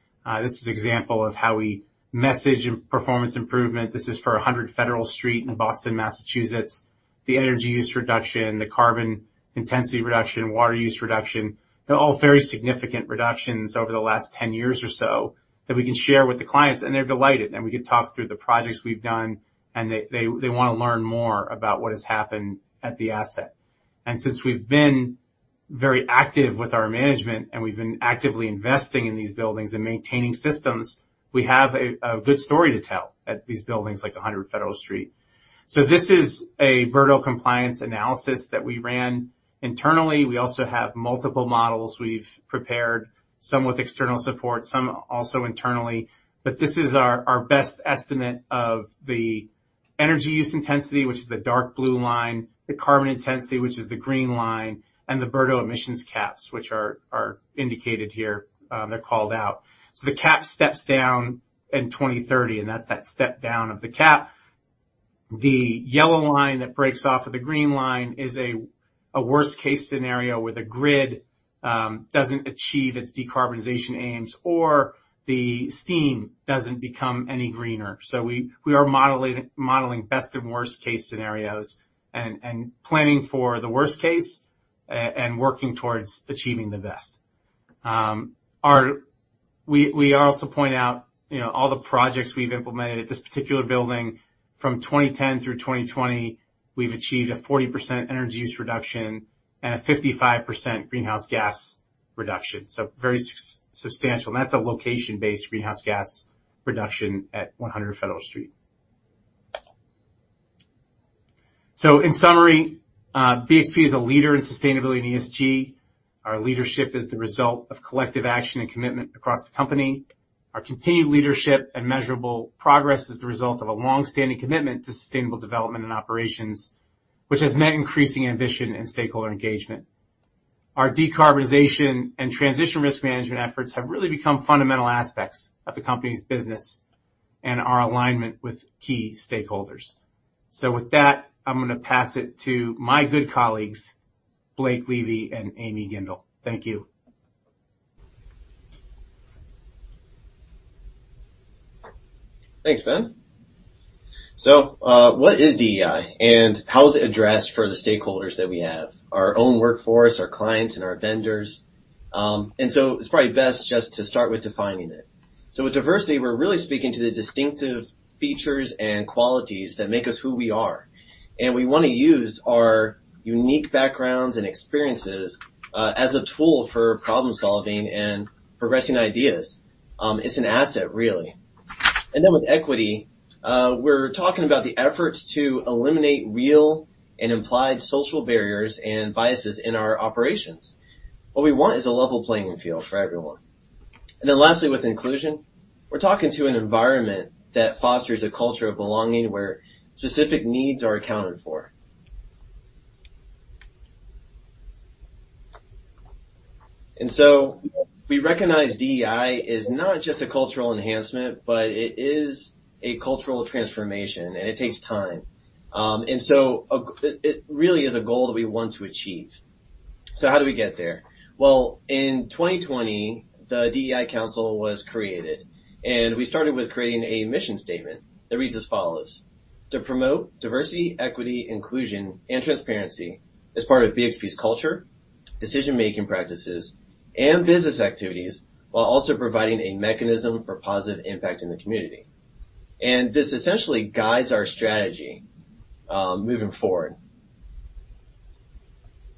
This is an example of how we message performance improvement. This is for One Hundred Federal Street in Boston, Massachusetts. The energy use reduction, the carbon intensity reduction, water use reduction, they're all very significant reductions over the last 10 years or so that we can share with the clients, and they're delighted, and we can talk through the projects we've done, and they wanna learn more about what has happened at the asset. Since we've been very active with our management, and we've been actively investing in these buildings and maintaining systems, we have a good story to tell at these buildings, like One Hundred Federal Street. This is a BERDO compliance analysis that we ran internally. We also have multiple models we've prepared, some with external support, some also internally. This is our best estimate of the energy use intensity, which is the dark blue line, the carbon intensity, which is the green line, and the BERDO emissions caps, which are indicated here, they're called out. The cap steps down in 2030. That's that step down of the cap. The yellow line that breaks off of the green line is a worst-case scenario where the grid doesn't achieve its decarbonization aims, or the steam doesn't become any greener. We are modeling best and worst-case scenarios and planning for the worst case and working towards achieving the best. We also point out, you know, all the projects we've implemented at this particular building. From 2010 through 2020, we've achieved a 40% energy use reduction and a 55% greenhouse gas reduction. Very substantial, and that's a location-based greenhouse gas reduction at One Hundred Federal Street. In summary, BXP is a leader in sustainability and ESG. Our leadership is the result of collective action and commitment across the company. Our continued leadership and measurable progress is the result of a long-standing commitment to sustainable development and operations, which has meant increasing ambition and stakeholder engagement. Our decarbonization and transition risk management efforts have really become fundamental aspects of the company's business and our alignment with key stakeholders. With that, I'm gonna pass it to my good colleagues, Blake Levy and Amy Gindes. Thank you. Thanks, Ben. What is DEI, and how is it addressed for the stakeholders that we have, our own workforce, our clients, and our vendors? It's probably best just to start with defining it. With diversity, we're really speaking to the distinctive features and qualities that make us who we are, and we wanna use our unique backgrounds and experiences as a tool for problem-solving and progressing ideas. It's an asset, really. With equity, we're talking about the efforts to eliminate real and implied social barriers and biases in our operations. What we want is a level playing field for everyone. Lastly, with inclusion, we're talking to an environment that fosters a culture of belonging, where specific needs are accounted for. We recognize DEI is not just a cultural enhancement, but it is a cultural transformation, and it takes time. It really is a goal that we want to achieve. How do we get there? Well, in 2020, the DEI Council was created, and we started with creating a mission statement that reads as follows: "To promote diversity, equity, inclusion, and transparency as part of BXP's culture, decision-making practices, and business activities, while also providing a mechanism for positive impact in the community." This essentially guides our strategy moving forward.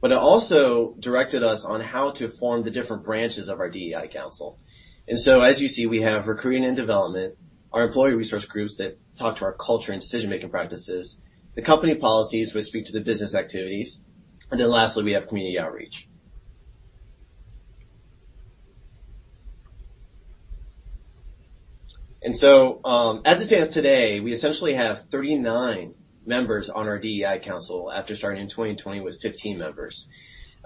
It also directed us on how to form the different branches of our DEI Council. As you see, we have recruiting and development, our employee resource groups that talk to our culture and decision-making practices, the company policies which speak to the business activities, and then lastly, we have community outreach. As it stands today, we essentially have 39 members on our DEI Council after starting in 2020 with 15 members.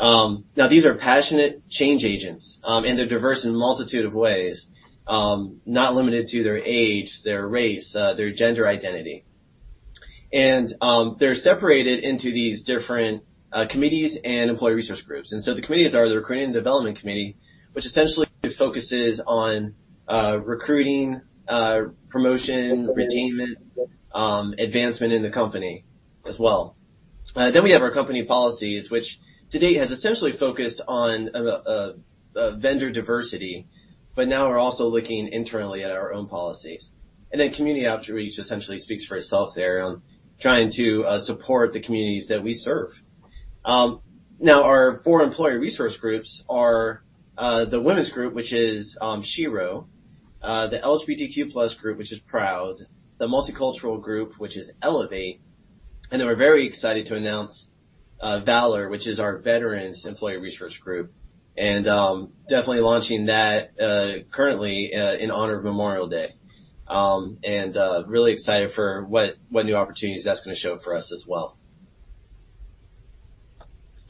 Now, these are passionate change agents, and they're diverse in a multitude of ways, not limited to their age, their race, their gender identity. They're separated into these different committees and employee resource groups. The committees are the Recruitment and Development Committee, which essentially focuses on recruiting, promotion, retainment, advancement in the company as well. We have our company policies, which to date, has essentially focused on vendor diversity, but now we're also looking internally at our own policies. Community outreach essentially speaks for itself there on trying to support the communities that we serve. Now, our four employee resource groups are the women's group, which is Shero, the LGBTQ+ group, which is Proud, the multicultural group, which is Elevate, and then we're very excited to announce Valor, which is our veterans employee resource group, and definitely launching that currently in honor of Memorial Day. Really excited for what new opportunities that's gonna show for us as well.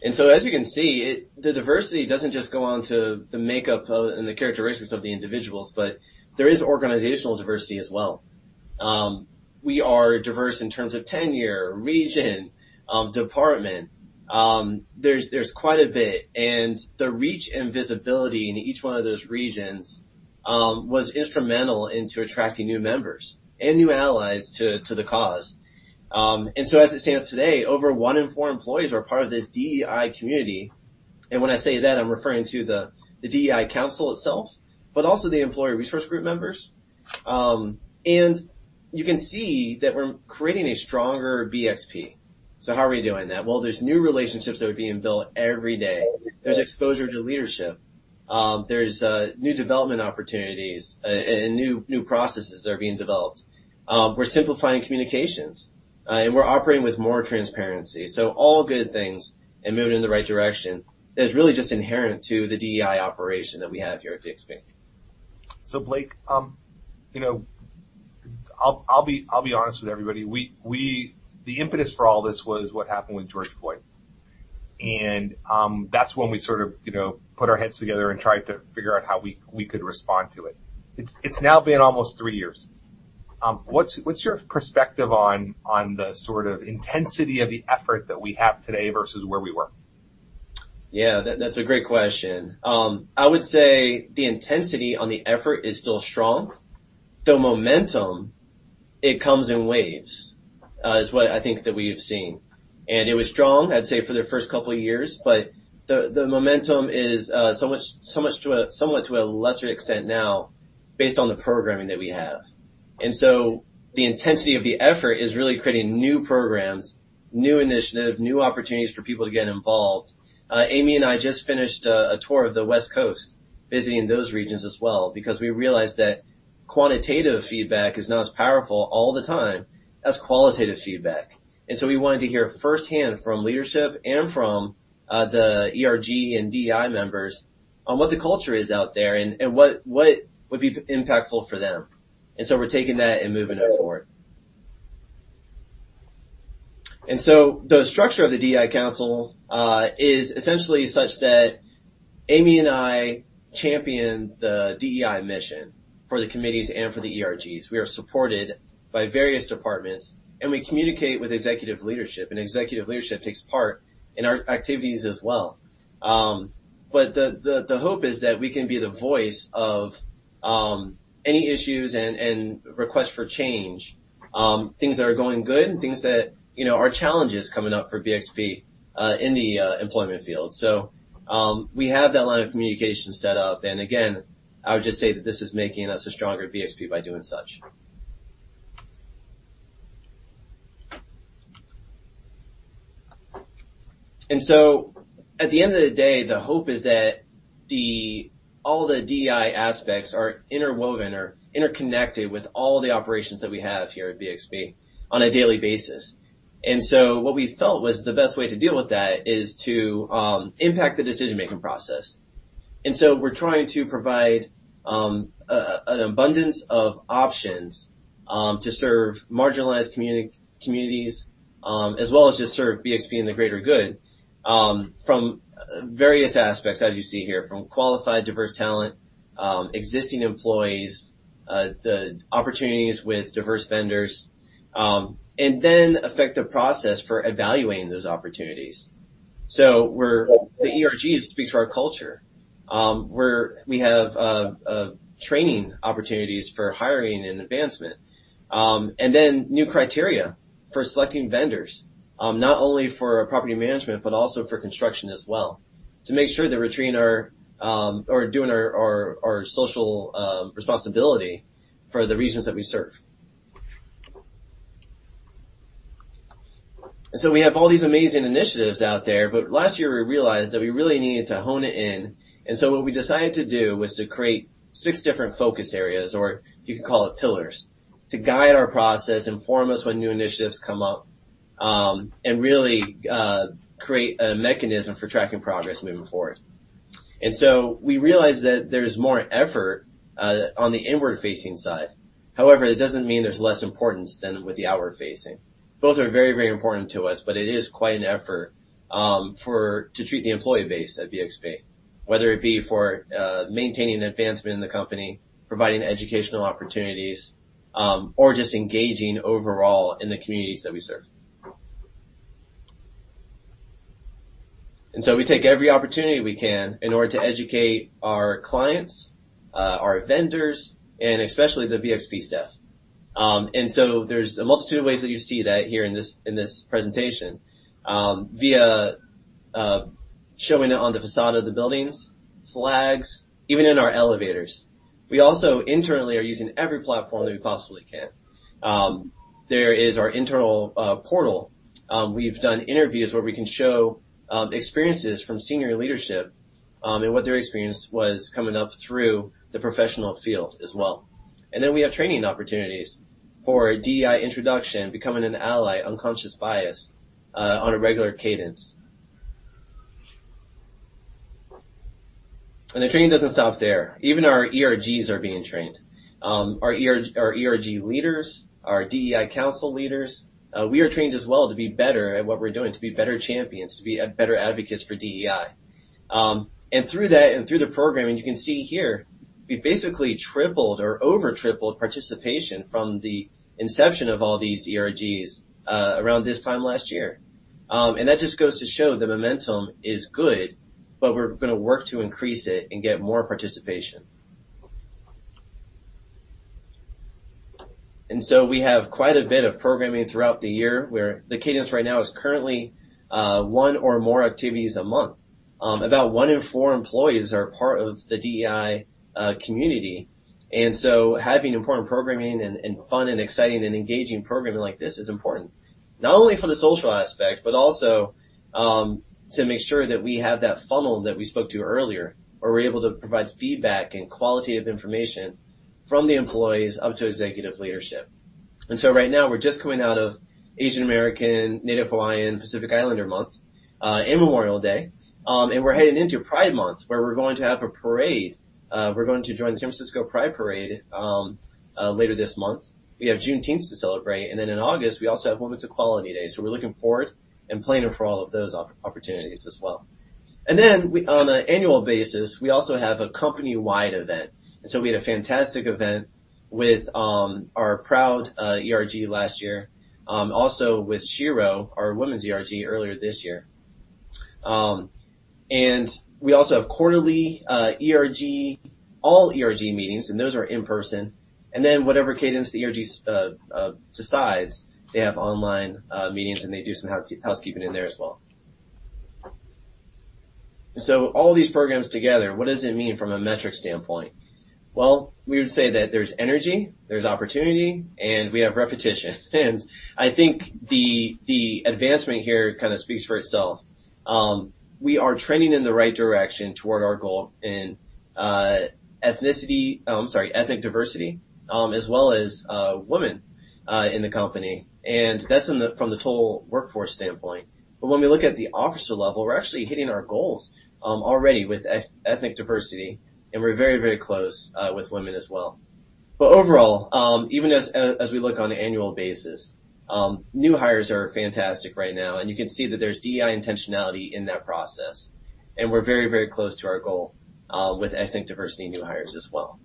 As you can see, the diversity doesn't just go on to the makeup of, and the characteristics of the individuals, but there is organizational diversity as well. We are diverse in terms of tenure, region, department. There's quite a bit, and the reach and visibility in each one of those regions was instrumental into attracting new members and new allies to the cause. As it stands today, over one in four employees are part of this DEI community, and when I say that, I'm referring to the DEI council itself, but also the employee resource group members. You can see that we're creating a stronger BXP. How are we doing that? Well, there's new relationships that are being built every day. There's exposure to leadership. There's new development opportunities and new processes that are being developed. We're simplifying communications and we're operating with more transparency. All good things and moving in the right direction, that is really just inherent to the DEI operation that we have here at BXP. Blake, you know, I'll be honest with everybody. The impetus for all this was what happened with George Floyd, and that's when we sort of, you know, put our heads together and tried to figure out how we could respond to it. It's now been almost three years. What's your perspective on the sort of intensity of the effort that we have today versus where we were? Yeah, that's a great question. I would say the intensity on the effort is still strong, the momentum, it comes in waves, is what I think that we've seen. It was strong, I'd say, for the first couple of years, but the momentum is somewhat to a lesser extent now based on the programming that we have. The intensity of the effort is really creating new programs, new initiatives, new opportunities for people to get involved. Amy and I just finished a tour of the West Coast, visiting those regions as well, because we realized that quantitative feedback is not as powerful all the time as qualitative feedback. We wanted to hear firsthand from leadership and from the ERG and DEI members on what the culture is out there and what would be impactful for them. We're taking that and moving it forward. The structure of the DEI Council is essentially such that Amy and I champion the DEI mission for the committees and for the ERGs. We are supported by various departments. We communicate with executive leadership. Executive leadership takes part in our activities as well. The hope is that we can be the voice of any issues and requests for change, things that are going good and things that, you know, are challenges coming up for BXP in the employment field. We have that line of communication set up, and again, I would just say that this is making us a stronger BXP by doing such. At the end of the day, the hope is that all the DEI aspects are interwoven or interconnected with all the operations that we have here at BXP on a daily basis. What we felt was the best way to deal with that is to impact the decision-making process. We're trying to provide an abundance of options to serve marginalized communities as well as just serve BXP and the greater good from various aspects, as you see here, from qualified diverse talent, existing employees, the opportunities with diverse vendors, and then effective process for evaluating those opportunities. The ERGs speak to our culture. We have training opportunities for hiring and advancement. New criteria for selecting vendors, not only for property management, but also for construction as well, to make sure that we're treating our or doing our social responsibility for the regions that we serve. We have all these amazing initiatives out there, but last year, we realized that we really needed to hone it in. What we decided to do was to create six different focus areas, or you could call it pillars, to guide our process, inform us when new initiatives come up, and really create a mechanism for tracking progress moving forward. We realized that there's more effort on the inward-facing side. However, that doesn't mean there's less importance than with the outward-facing. Both are very, very important to us, but it is quite an effort to treat the employee base at BXP. Whether it be for maintaining advancement in the company, providing educational opportunities, or just engaging overall in the communities that we serve. We take every opportunity we can in order to educate our clients, our vendors, and especially the BXP staff. There's a multitude of ways that you see that here in this, in this presentation, via showing it on the facade of the buildings, flags, even in our elevators. We also internally are using every platform that we possibly can. There is our internal portal. We've done interviews where we can show experiences from senior leadership, and what their experience was coming up through the professional field as well. We have training opportunities for DEI introduction, becoming an ally, unconscious bias, on a regular cadence. The training doesn't stop there. Even our ERGs are being trained. Our ERG leaders, our DEI council leaders, we are trained as well to be better at what we're doing, to be better champions, to be a better advocates for DEI. Through that, and through the programming, you can see here, we've basically tripled or over tripled participation from the inception of all these ERGs, around this time last year. That just goes to show the momentum is good, but we're gonna work to increase it and get more participation. We have quite a bit of programming throughout the year, where the cadence right now is currently one or more activities a month. About one in four employees are part of the DEI community. Having important programming and fun and exciting, and engaging programming like this is important. Not only for the social aspect, but also, to make sure that we have that funnel that we spoke to earlier, where we're able to provide feedback and qualitative information from the employees up to executive leadership. Right now, we're just coming out of Asian American, Native Hawaiian, Pacific Islander Month, and Memorial Day. We're heading into Pride Month, where we're going to have a parade. We're going to join the San Francisco Pride Parade, later this month. We have Juneteenth to celebrate, in August, we also have Women's Equality Day. We're looking forward and planning for all of those opportunities as well. On an annual basis, we also have a company-wide event. We had a fantastic event with our BXP Proud ERG last year, also with BXP Shero, our women's ERG, earlier this year. We also have quarterly all ERG meetings, and those are in person. Whatever cadence the ERGs decides, they have online meetings, and they do some housekeeping in there as well. All these programs together, what does it mean from a metric standpoint? Well, we would say that there's energy, there's opportunity, and we have repetition. I think the advancement here kinda speaks for itself. We are trending in the right direction toward our goal in ethnicity, ethnic diversity, as well as women in the company, and that's from the total workforce standpoint. When we look at the officer level, we're actually hitting our goals already with ethnic diversity, and we're very, very close with women as well. Overall, even as we look on an annual basis, new hires are fantastic right now, and you can see that there's DEI intentionality in that process, and we're very, very close to our goal with ethnic diversity in new hires as well.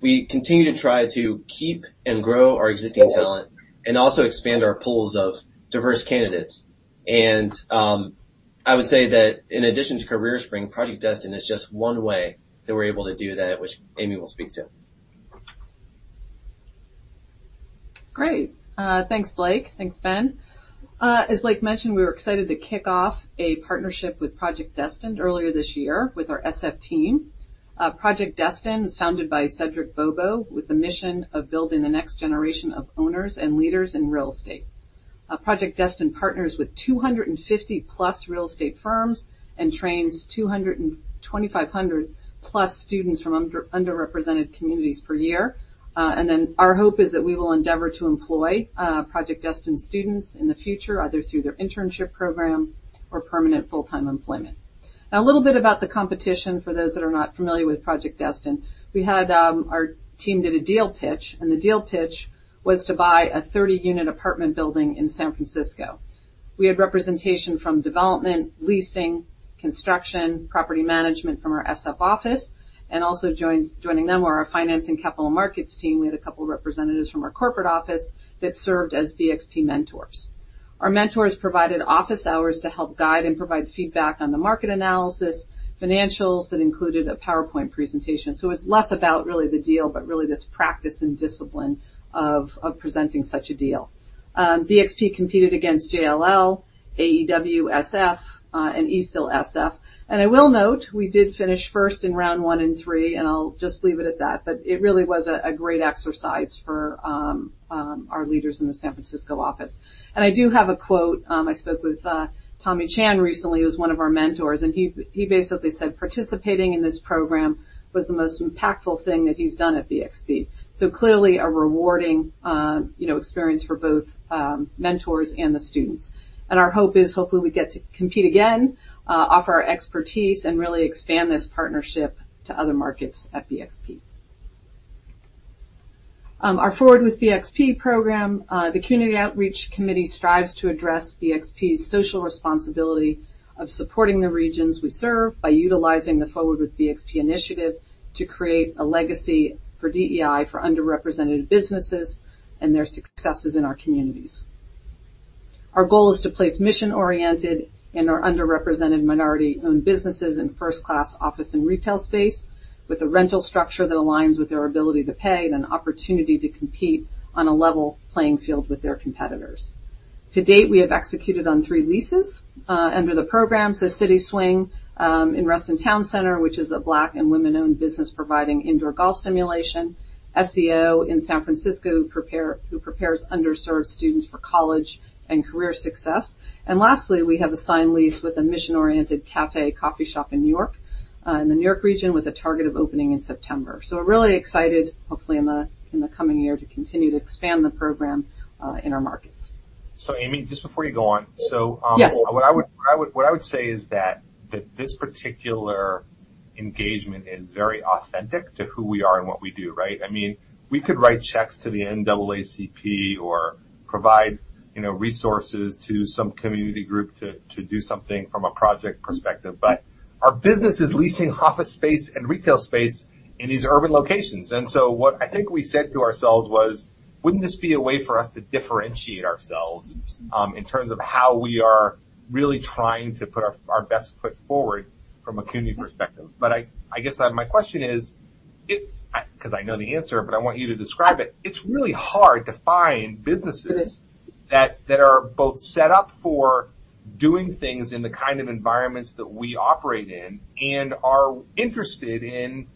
We continue to try to keep and grow our existing talent and also expand our pools of diverse candidates. I would say that in addition to CareerSpring, Project Destined is just one way that we're able to do that, which Amy will speak to. Great. Thanks, Blake. Thanks, Ben. As Blake mentioned, we were excited to kick off a partnership with Project Destined earlier this year with our SF team. Project Destined was founded by Cedric Bobo, with the mission of building the next generation of owners and leaders in real estate. Project Destined partners with 250-plus real estate firms and trains 2,500 plus students from underrepresented communities per year. Our hope is that we will endeavor to employ Project Destined students in the future, either through their internship program or permanent full-time employment. A little bit about the competition for those that are not familiar with Project Destined. We had our team did a deal pitch, and the deal pitch was to buy a 30-unit apartment building in San Francisco. We had representation from development, leasing, construction, property management from our SF office, also joining them were our finance and capital markets team. We had a couple of representatives from our corporate office that served as BXP mentors. Our mentors provided office hours to help guide and provide feedback on the market analysis, financials that included a PowerPoint presentation. It's less about really the deal, but really this practice and discipline of presenting such a deal. BXP competed against JLL, AEW, Eastdil. I will note, we did finish first in round 1 and 3, and I'll just leave it at that. It really was a great exercise for our leaders in the San Francisco office. I do have a quote. I spoke with Tommy Chan recently, who's one of our mentors, and he basically said, participating in this program was the most impactful thing that he's done at BXP. Clearly, a rewarding, you know, experience for both mentors and the students. Our hope is, hopefully, we get to compete again, offer our expertise, and really expand this partnership to other markets at BXP. Our Forward with BXP program, the Community Outreach Committee strives to address BXP's social responsibility of supporting the regions we serve by utilizing the Forward with BXP initiative to create a legacy for DEI for underrepresented businesses and their successes in our communities. Our goal is to place mission-oriented and/or underrepresented minority-owned businesses in first-class office and retail space, with a rental structure that aligns with their ability to pay, then opportunity to compete on a level playing field with their competitors. To date, we have executed on 3 leases under the program. CitySwing in Reston Town Center, which is a Black and women-owned business providing indoor golf simulation. SEO in San Francisco, who prepares underserved students for college and career success. Lastly, we have a signed lease with a mission-oriented cafe coffee shop in New York in the New York region, with a target of opening in September. We're really excited, hopefully in the coming year, to continue to expand the program in our markets. Amy GindesAmy Gindel, just before you go on. Yes. What I would say is that this particular engagement is very authentic to who we are and what we do, right? I mean, we could write checks to the NAACP or provide, you know, resources to some community group to do something from a project perspective. Our business is leasing office space and retail space in these urban locations, and so what I think we said to ourselves was: Wouldn't this be a way for us to differentiate ourselves in terms of how we are really trying to put our best foot forward from a community perspective? I guess, 'cause I know the answer, but I want you to describe it. It's really hard to find businesses- It is... that are both set up for doing things in the kind of environments that we operate in and are interested in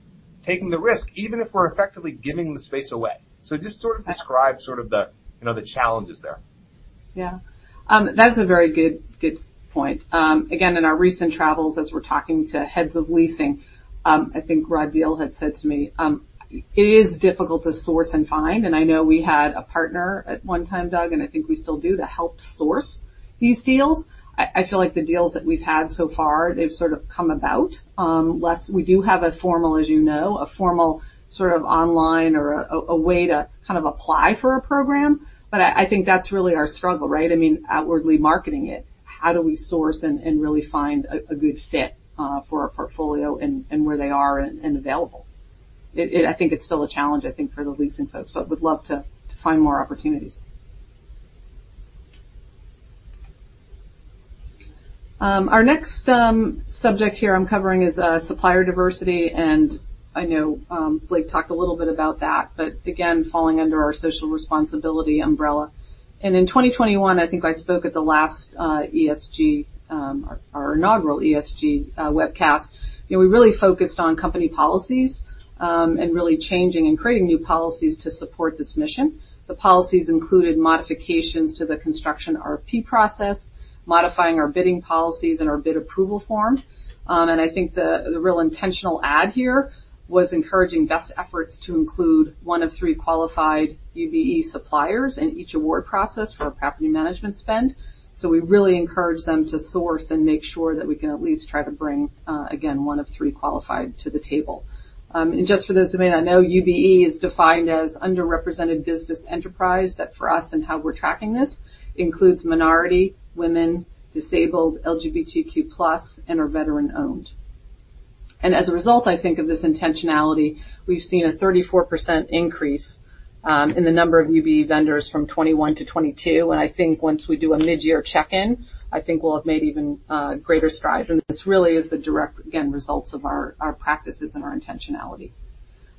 taking the risk, even if we're effectively giving the space away. Right describe sort of the, you know, the challenges there. That's a very good point. Again, in our recent travels, as we're talking to heads of leasing, I think Rod Diehl had said to me, it is difficult to source and find, and I know we had a partner at one time, Doug, and I think we still do, to help source these deals. I feel like the deals that we've had so far, they've sort of come about. We do have a formal, as you know, a formal sort of online or a way to kind of apply for a program, but I think that's really our struggle, right? I mean, outwardly marketing it, how do we source and really find a good fit for our portfolio and where they are and available? I think it's still a challenge, I think, for the leasing folks, but would love to find more opportunities. Our next subject here I'm covering is supplier diversity, and I know Blake talked a little bit about that, but again, falling under our social responsibility umbrella. In 2021, I think I spoke at the last ESG, our inaugural ESG webcast. You know, we really focused on company policies, and really changing and creating new policies to support this mission. The policies included modifications to the construction RFP process, modifying our bidding policies and our bid approval form. And I think the real intentional add here was encouraging best efforts to include 1 of 3 qualified UBE suppliers in each award process for our property management spend. We really encourage them to source and make sure that we can at least try to bring, again, 1 of 3 qualified to the table. Just for those who may not know, UBE is defined as underrepresented business enterprise. That, for us, and how we're tracking this, includes minority, women, disabled, LGBTQ+, and are veteran-owned. As a result, I think, of this intentionality, we've seen a 34% increase in the number of UBE vendors from 2021 to 2022. I think once we do a mid-year check-in, I think we'll have made even greater strides, and this really is the direct, again, results of our practices and our intentionality.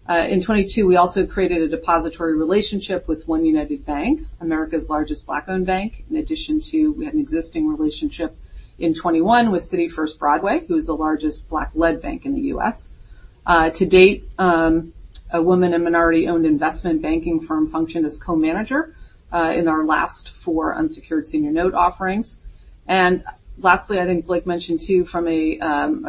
In 2022, we also created a depository relationship with OneUnited Bank, America's largest Black-owned bank, in addition to we had an existing relationship in 2021 with City First Broadway, who is the largest Black-led bank in the US. To date, a woman and minority-owned investment banking firm functioned as co-manager, in our last 4 unsecured senior note offerings. Lastly, I think Blake mentioned, too, from a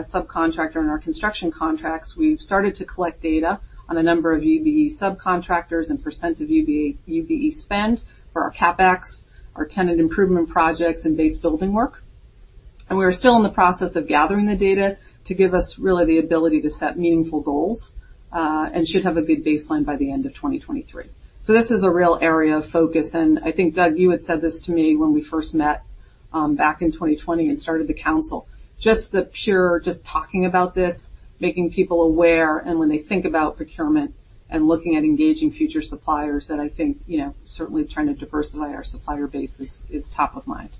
subcontractor in our construction contracts, we've started to collect data on the number of UBE subcontractors and % of UBE spend for our CapEx, our tenant improvement projects, and base building work. We are still in the process of gathering the data to give us, really, the ability to set meaningful goals, and should have a good baseline by the end of 2023. This is a real area of focus, and I think, Doug, you had said this to me when we first met, back in 2020 and started the council. Just talking about this, making people aware, and when they think about procurement and looking at engaging future suppliers, that I think, you know, certainly trying to diversify our supplier base is top of mind.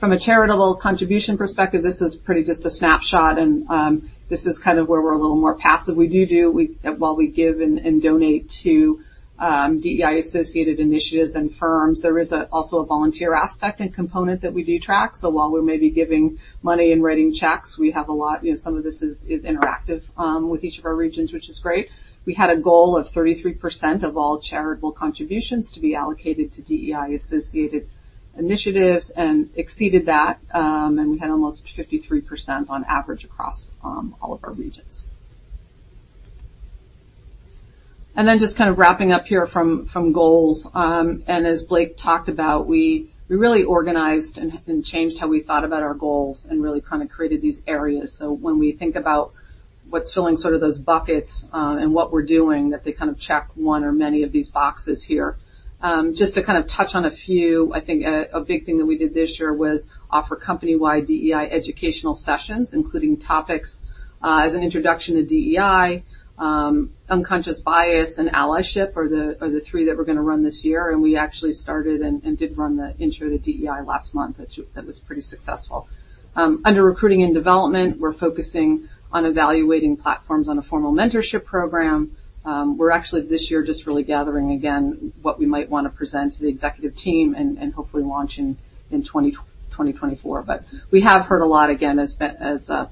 From a charitable contribution perspective, this is pretty just a snapshot, and this is kind of where we're a little more passive. We do, while we give and donate to DEI-associated initiatives and firms, there is also a volunteer aspect and component that we do track. While we may be giving money and writing checks, we have a lot, you know, some of this is interactive with each of our regions, which is great. We had a goal of 33% of all charitable contributions to be allocated to DEI-associated initiatives and exceeded that, and we had almost 53% on average across all of our regions. Just kind of wrapping up here from goals, and as Blake talked about, we really organized and changed how we thought about our goals and really kind of created these areas. When we think about what's filling sort of those buckets, and what we're doing, that they kind of check one or many of these boxes here. Just to kind of touch on a few, I think, a big thing that we did this year was offer company-wide DEI educational sessions, including topics, as an introduction to DEI, unconscious bias, and allyship are the three that we're going to run this year, and we actually started and did run the intro to DEI last month, which that was pretty successful. Under recruiting and development, we're focusing on evaluating platforms on a formal mentorship program. We're actually, this year, just really gathering again, what we might want to present to the executive team and hopefully launch in 2024. We have heard a lot, again, as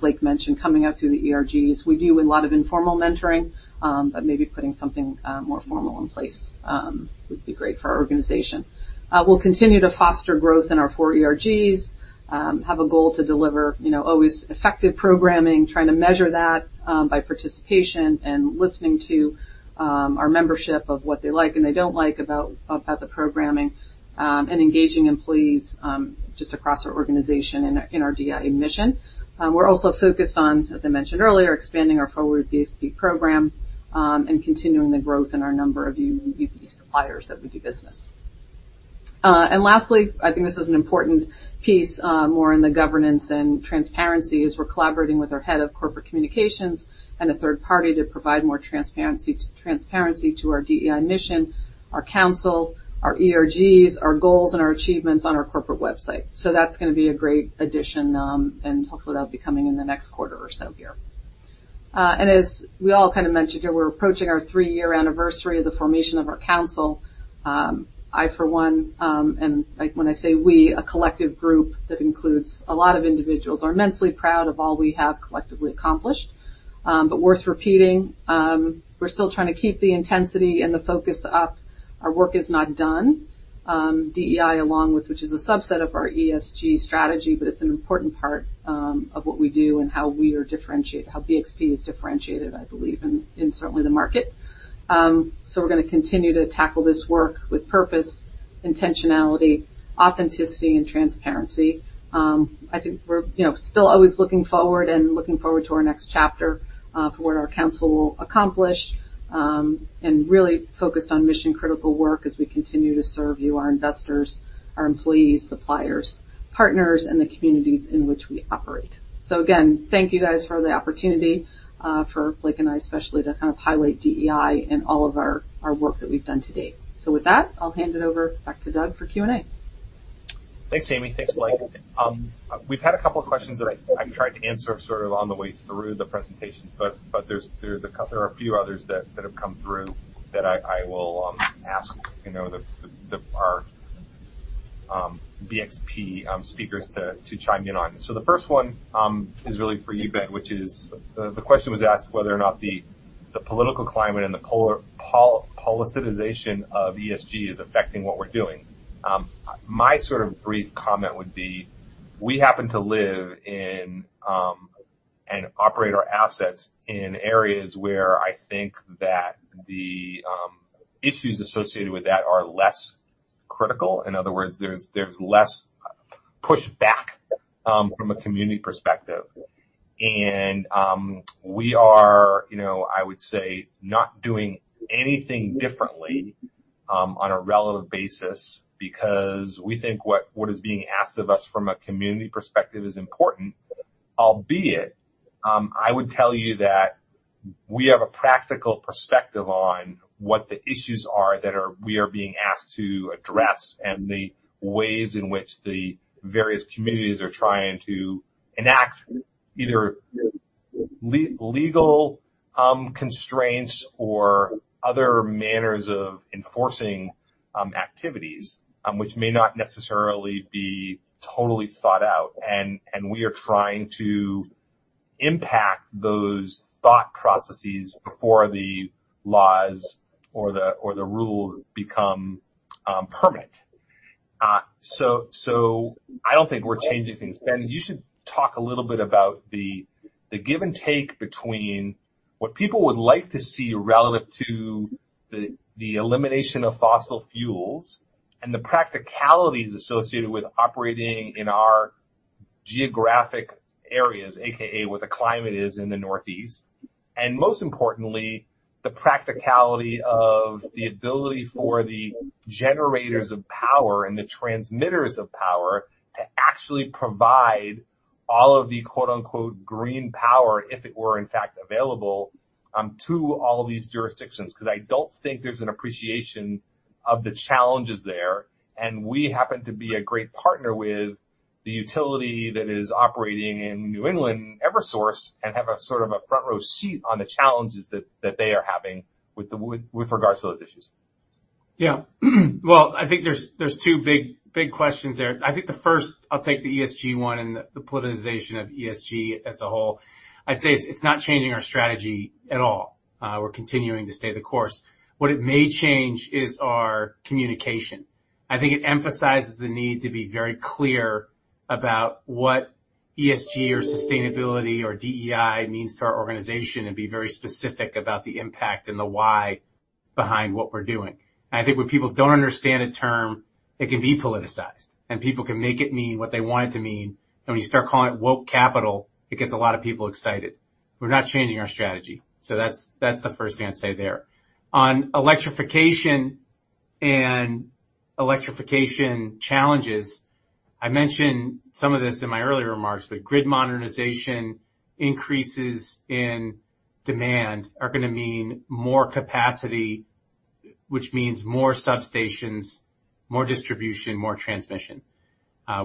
Blake mentioned, coming up through the ERGs. We do a lot of informal mentoring, but maybe putting something more formal in place would be great for our organization. We'll continue to foster growth in our four ERGs. Have a goal to deliver, you know, always effective programming, trying to measure that by participation and listening to our membership of what they like and they don't like about the programming, and engaging employees just across our organization in our, in our DEI mission. We're also focused on, as I mentioned earlier, expanding our Forward BXP program, and continuing the growth in our number of UBE suppliers that we do business. Lastly, I think this is an important piece, more in the governance and transparency, is we're collaborating with our head of corporate communications and a third party to provide more transparency to our DEI mission, our council, our ERGs, our goals, and our achievements on our corporate website. That's going to be a great addition, and hopefully, that'll be coming in the next quarter or so here. As we all kind of mentioned here, we're approaching our 3-year anniversary of the formation of our council. I, for one, like, when I say we, a collective group that includes a lot of individuals, are immensely proud of all we have collectively accomplished. Worth repeating, we're still trying to keep the intensity and the focus up. Our work is not done. DEI, along with, which is a subset of our ESG strategy, but it's an important part of what we do and how we are differentiated, how BXP is differentiated, I believe, in certainly the market. We're going to continue to tackle this work with purpose, intentionality, authenticity, and transparency. I think we're, you know, still always looking forward and looking forward to our next chapter for what our council will accomplish and really focused on mission-critical work as we continue to serve you, our investors, our employees, suppliers, partners, and the communities in which we operate. Again, thank you, guys, for the opportunity for Blake and I, especially, to kind of highlight DEI and all of our work that we've done to date. With that, I'll hand it over back to Doug for Q&A. Thanks, Amy. Thanks, Blake. We've had a couple of questions that I've tried to answer sort of on the way through the presentations, but there are a few others that have come through that I will ask, you know, the our BXP speakers to chime in on. The first one is really for you, Ben, which is the question was asked whether or not the political climate and the politicization of ESG is affecting what we're doing. My sort of brief comment would be: we happen to live in and operate our assets in areas where I think that the issues associated with that are less critical. In other words, there's less pushback from a community perspective. We are, you know, I would say, not doing anything differently on a relative basis because we think what is being asked of us from a community perspective is important, albeit, I would tell you that we have a practical perspective on what the issues are that we are being asked to address, and the ways in which the various communities are trying to enact either legal constraints or other manners of enforcing activities, which may not necessarily be totally thought out. We are trying to impact those thought processes before the laws or the rules become permanent. So I don't think we're changing things. Ben, you should talk a little bit about the give and take between what people would like to see relative to the elimination of fossil fuels and the practicalities associated with operating in our geographic areas, AKA, what the climate is in the Northeast. Most importantly, the practicality of the ability for the generators of power and the transmitters of power to actually provide all of the, quote-unquote, "green power," if it were, in fact, available, to all these jurisdictions. I don't think there's an appreciation of the challenges there, and we happen to be a great partner with the utility that is operating in New England, Eversource, and have a sort of a front-row seat on the challenges that they are having with regards to those issues. Yeah. Well, I think there's two big questions there. I think the first, I'll take the ESG one and the politicization of ESG as a whole. I'd say it's not changing our strategy at all. We're continuing to stay the course. What it may change is our communication. I think it emphasizes the need to be very clear about what ESG or sustainability or DEI means to our organization and be very specific about the impact and the why behind what we're doing. I think when people don't understand a term, it can be politicized, and people can make it mean what they want it to mean. When you start calling it woke capital, it gets a lot of people excited. We're not changing our strategy. That's the first thing I'd say there. On electrification and electrification challenges, I mentioned some of this in my earlier remarks, grid modernization increases in demand are going to mean more capacity, which means more substations, more distribution, more transmission.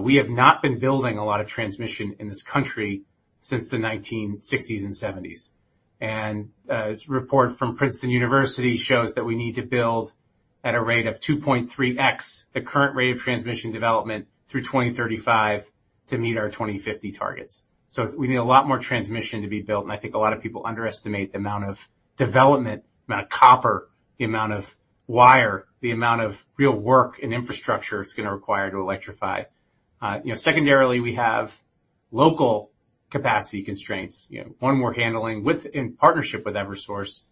We have not been building a lot of transmission in this country since the 1960s and 1970s. This report from Princeton University shows that we need to build at a rate of 2.3x, the current rate of transmission development through 2035 to meet our 2050 targets. We need a lot more transmission to be built, and I think a lot of people underestimate the amount of development, the amount of copper, the amount of wire, the amount of real work and infrastructure it's going to require to electrify. You know, secondarily, we have local capacity constraints. You know, one we're handling in partnership with Eversource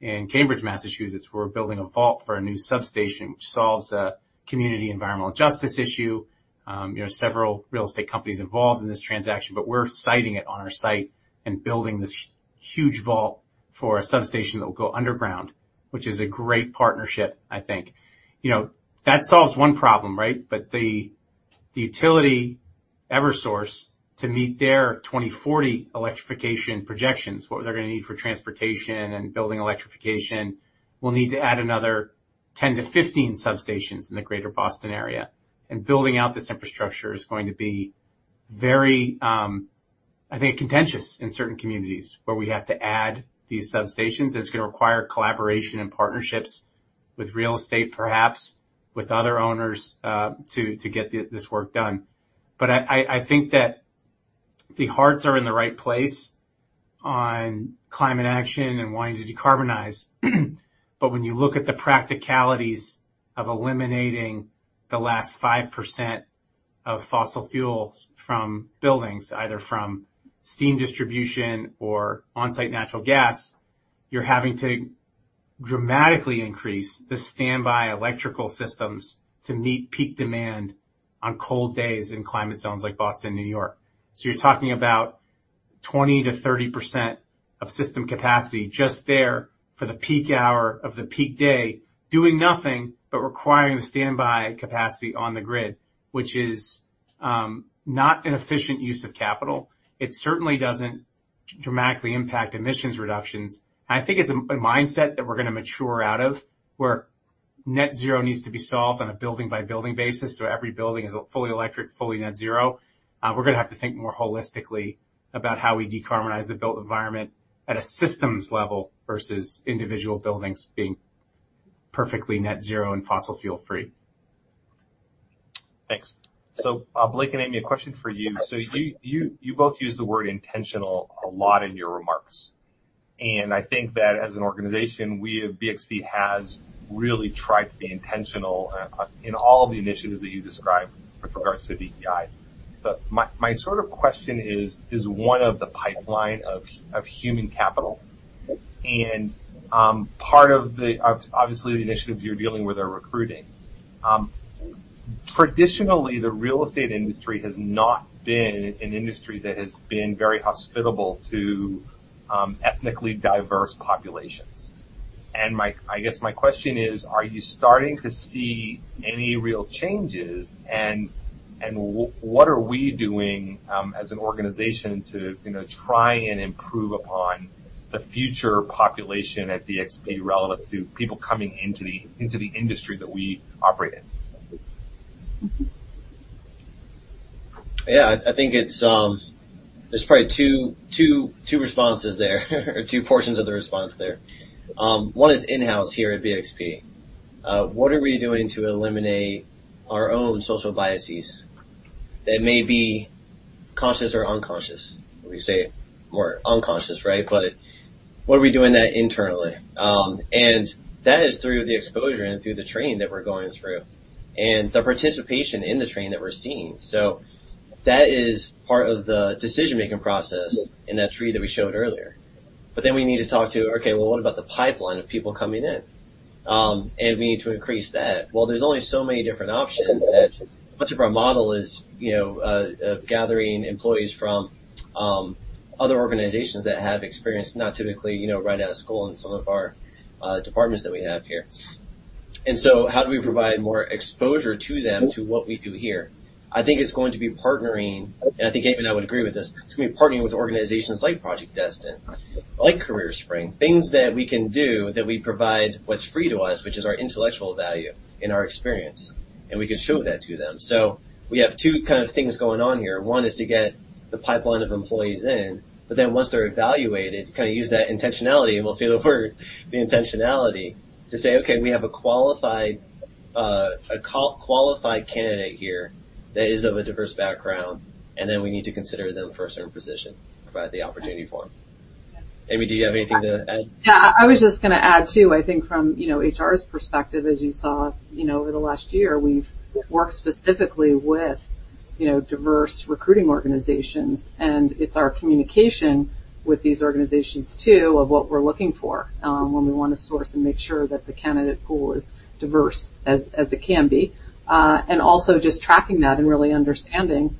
in Cambridge, Massachusetts, we're building a vault for a new substation, which solves a community environmental justice issue. You know, several real estate companies involved in this transaction, we're siting it on our site and building this huge vault for a substation that will go underground, which is a great partnership, I think. You know, that solves 1 problem, right? The utility, Eversource, to meet their 2040 electrification projections, what they're going to need for transportation and building electrification, will need to add another 10-15 substations in the greater Boston area. Building out this infrastructure is going to be very, I think, contentious in certain communities where we have to add these substations. It's going to require collaboration and partnerships with real estate, perhaps with other owners, to get this work done. I think that the hearts are in the right place on climate action and wanting to decarbonize. When you look at the practicalities of eliminating the last 5% of fossil fuels from buildings, either from steam distribution or on-site natural gas, you're having to dramatically increase the standby electrical systems to meet peak demand on cold days in climate zones like Boston, New York. You're talking about 20%-30% of system capacity just there for the peak hour of the peak day, doing nothing but requiring standby capacity on the grid, which is not an efficient use of capital. It certainly doesn't dramatically impact emissions reductions. I think it's a mindset that we're going to mature out of, where net zero needs to be solved on a building-by-building basis, so every building is fully electric, fully net zero. We're going to have to think more holistically about how we decarbonize the built environment at a systems level versus individual buildings being perfectly net zero and fossil fuel-free. Thanks. Blake and Amy, a question for you. You both use the word intentional a lot in your remarks. I think that as an organization, we at BXP has really tried to be intentional in all the initiatives that you described with regards to DEI. My sort of question is one of the pipeline of human capital, and part of the obviously, the initiatives you're dealing with are recruiting. Traditionally, the real estate industry has not been an industry that has been very hospitable to ethnically diverse populations. I guess my question is: Are you starting to see any real changes, and what are we doing, as an organization to, you know, try and improve upon the future population at BXP relevant to people coming into the industry that we operate in? I think it's, there's probably two responses there, or two portions of the response there. One is in-house here at BXP. What are we doing to eliminate our own social biases that may be conscious or unconscious? We say more unconscious, right? What are we doing that internally? That is through the exposure and through the training that we're going through, and the participation in the training that we're seeing. That is part of the decision-making process in that tree that we showed earlier. We need to talk to, okay, well, what about the pipeline of people coming in? We need to increase that. Well, there's only so many different options, and much of our model is, you know, gathering employees from other organizations that have experience, not typically, you know, right out of school in some of our departments that we have here. How do we provide more exposure to them to what we do here? I think it's going to be partnering, and I think Amy and I would agree with this, it's going to be partnering with organizations like Project Destined, like CareerSpring. Things that we can do, that we provide what's free to us, which is our intellectual value and our experience, and we can show that to them. We have two kind of things going on here. One is to get the pipeline of employees in, once they're evaluated, kind of use that intentionality, and we'll say the word, intentionality, to say, "Okay, we have a qualified candidate here that is of a diverse background, we need to consider them for a certain position, provide the opportunity for them." Amy, do you have anything to add? I was just going to add, too, I think from, you know, HR's perspective, as you saw, you know, over the last year, we've worked specifically with, you know, diverse recruiting organizations, and it's our communication with these organizations, too, of what we're looking for, when we want to source and make sure that the candidate pool is diverse as it can be. Also just tracking that and really understanding,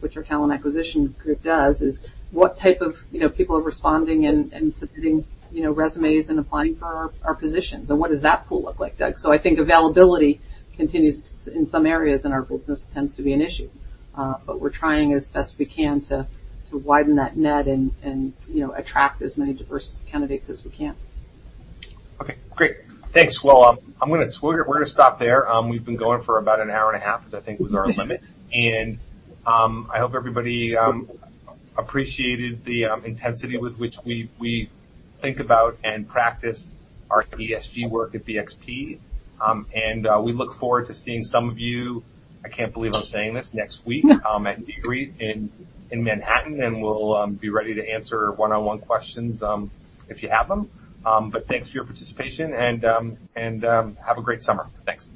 which our talent acquisition group does, is what type of, you know, people are responding and submitting, you know, resumes and applying for our positions, and what does that pool look like? I think availability continues in some areas in our business, tends to be an issue, but we're trying as best we can to widen that net and, you know, attract as many diverse candidates as we can. Okay, great. Thanks. Well, we're gonna stop there. We've been going for about an hour and a half, which I think was our limit. I hope everybody appreciated the intensity with which we think about and practice our ESG work at BXP. And we look forward to seeing some of you, I can't believe I'm saying this, next week, at REITWeek in Manhattan, and we'll be ready to answer one-on-one questions, if you have them. Thanks for your participation, and and have a great summer. Thanks.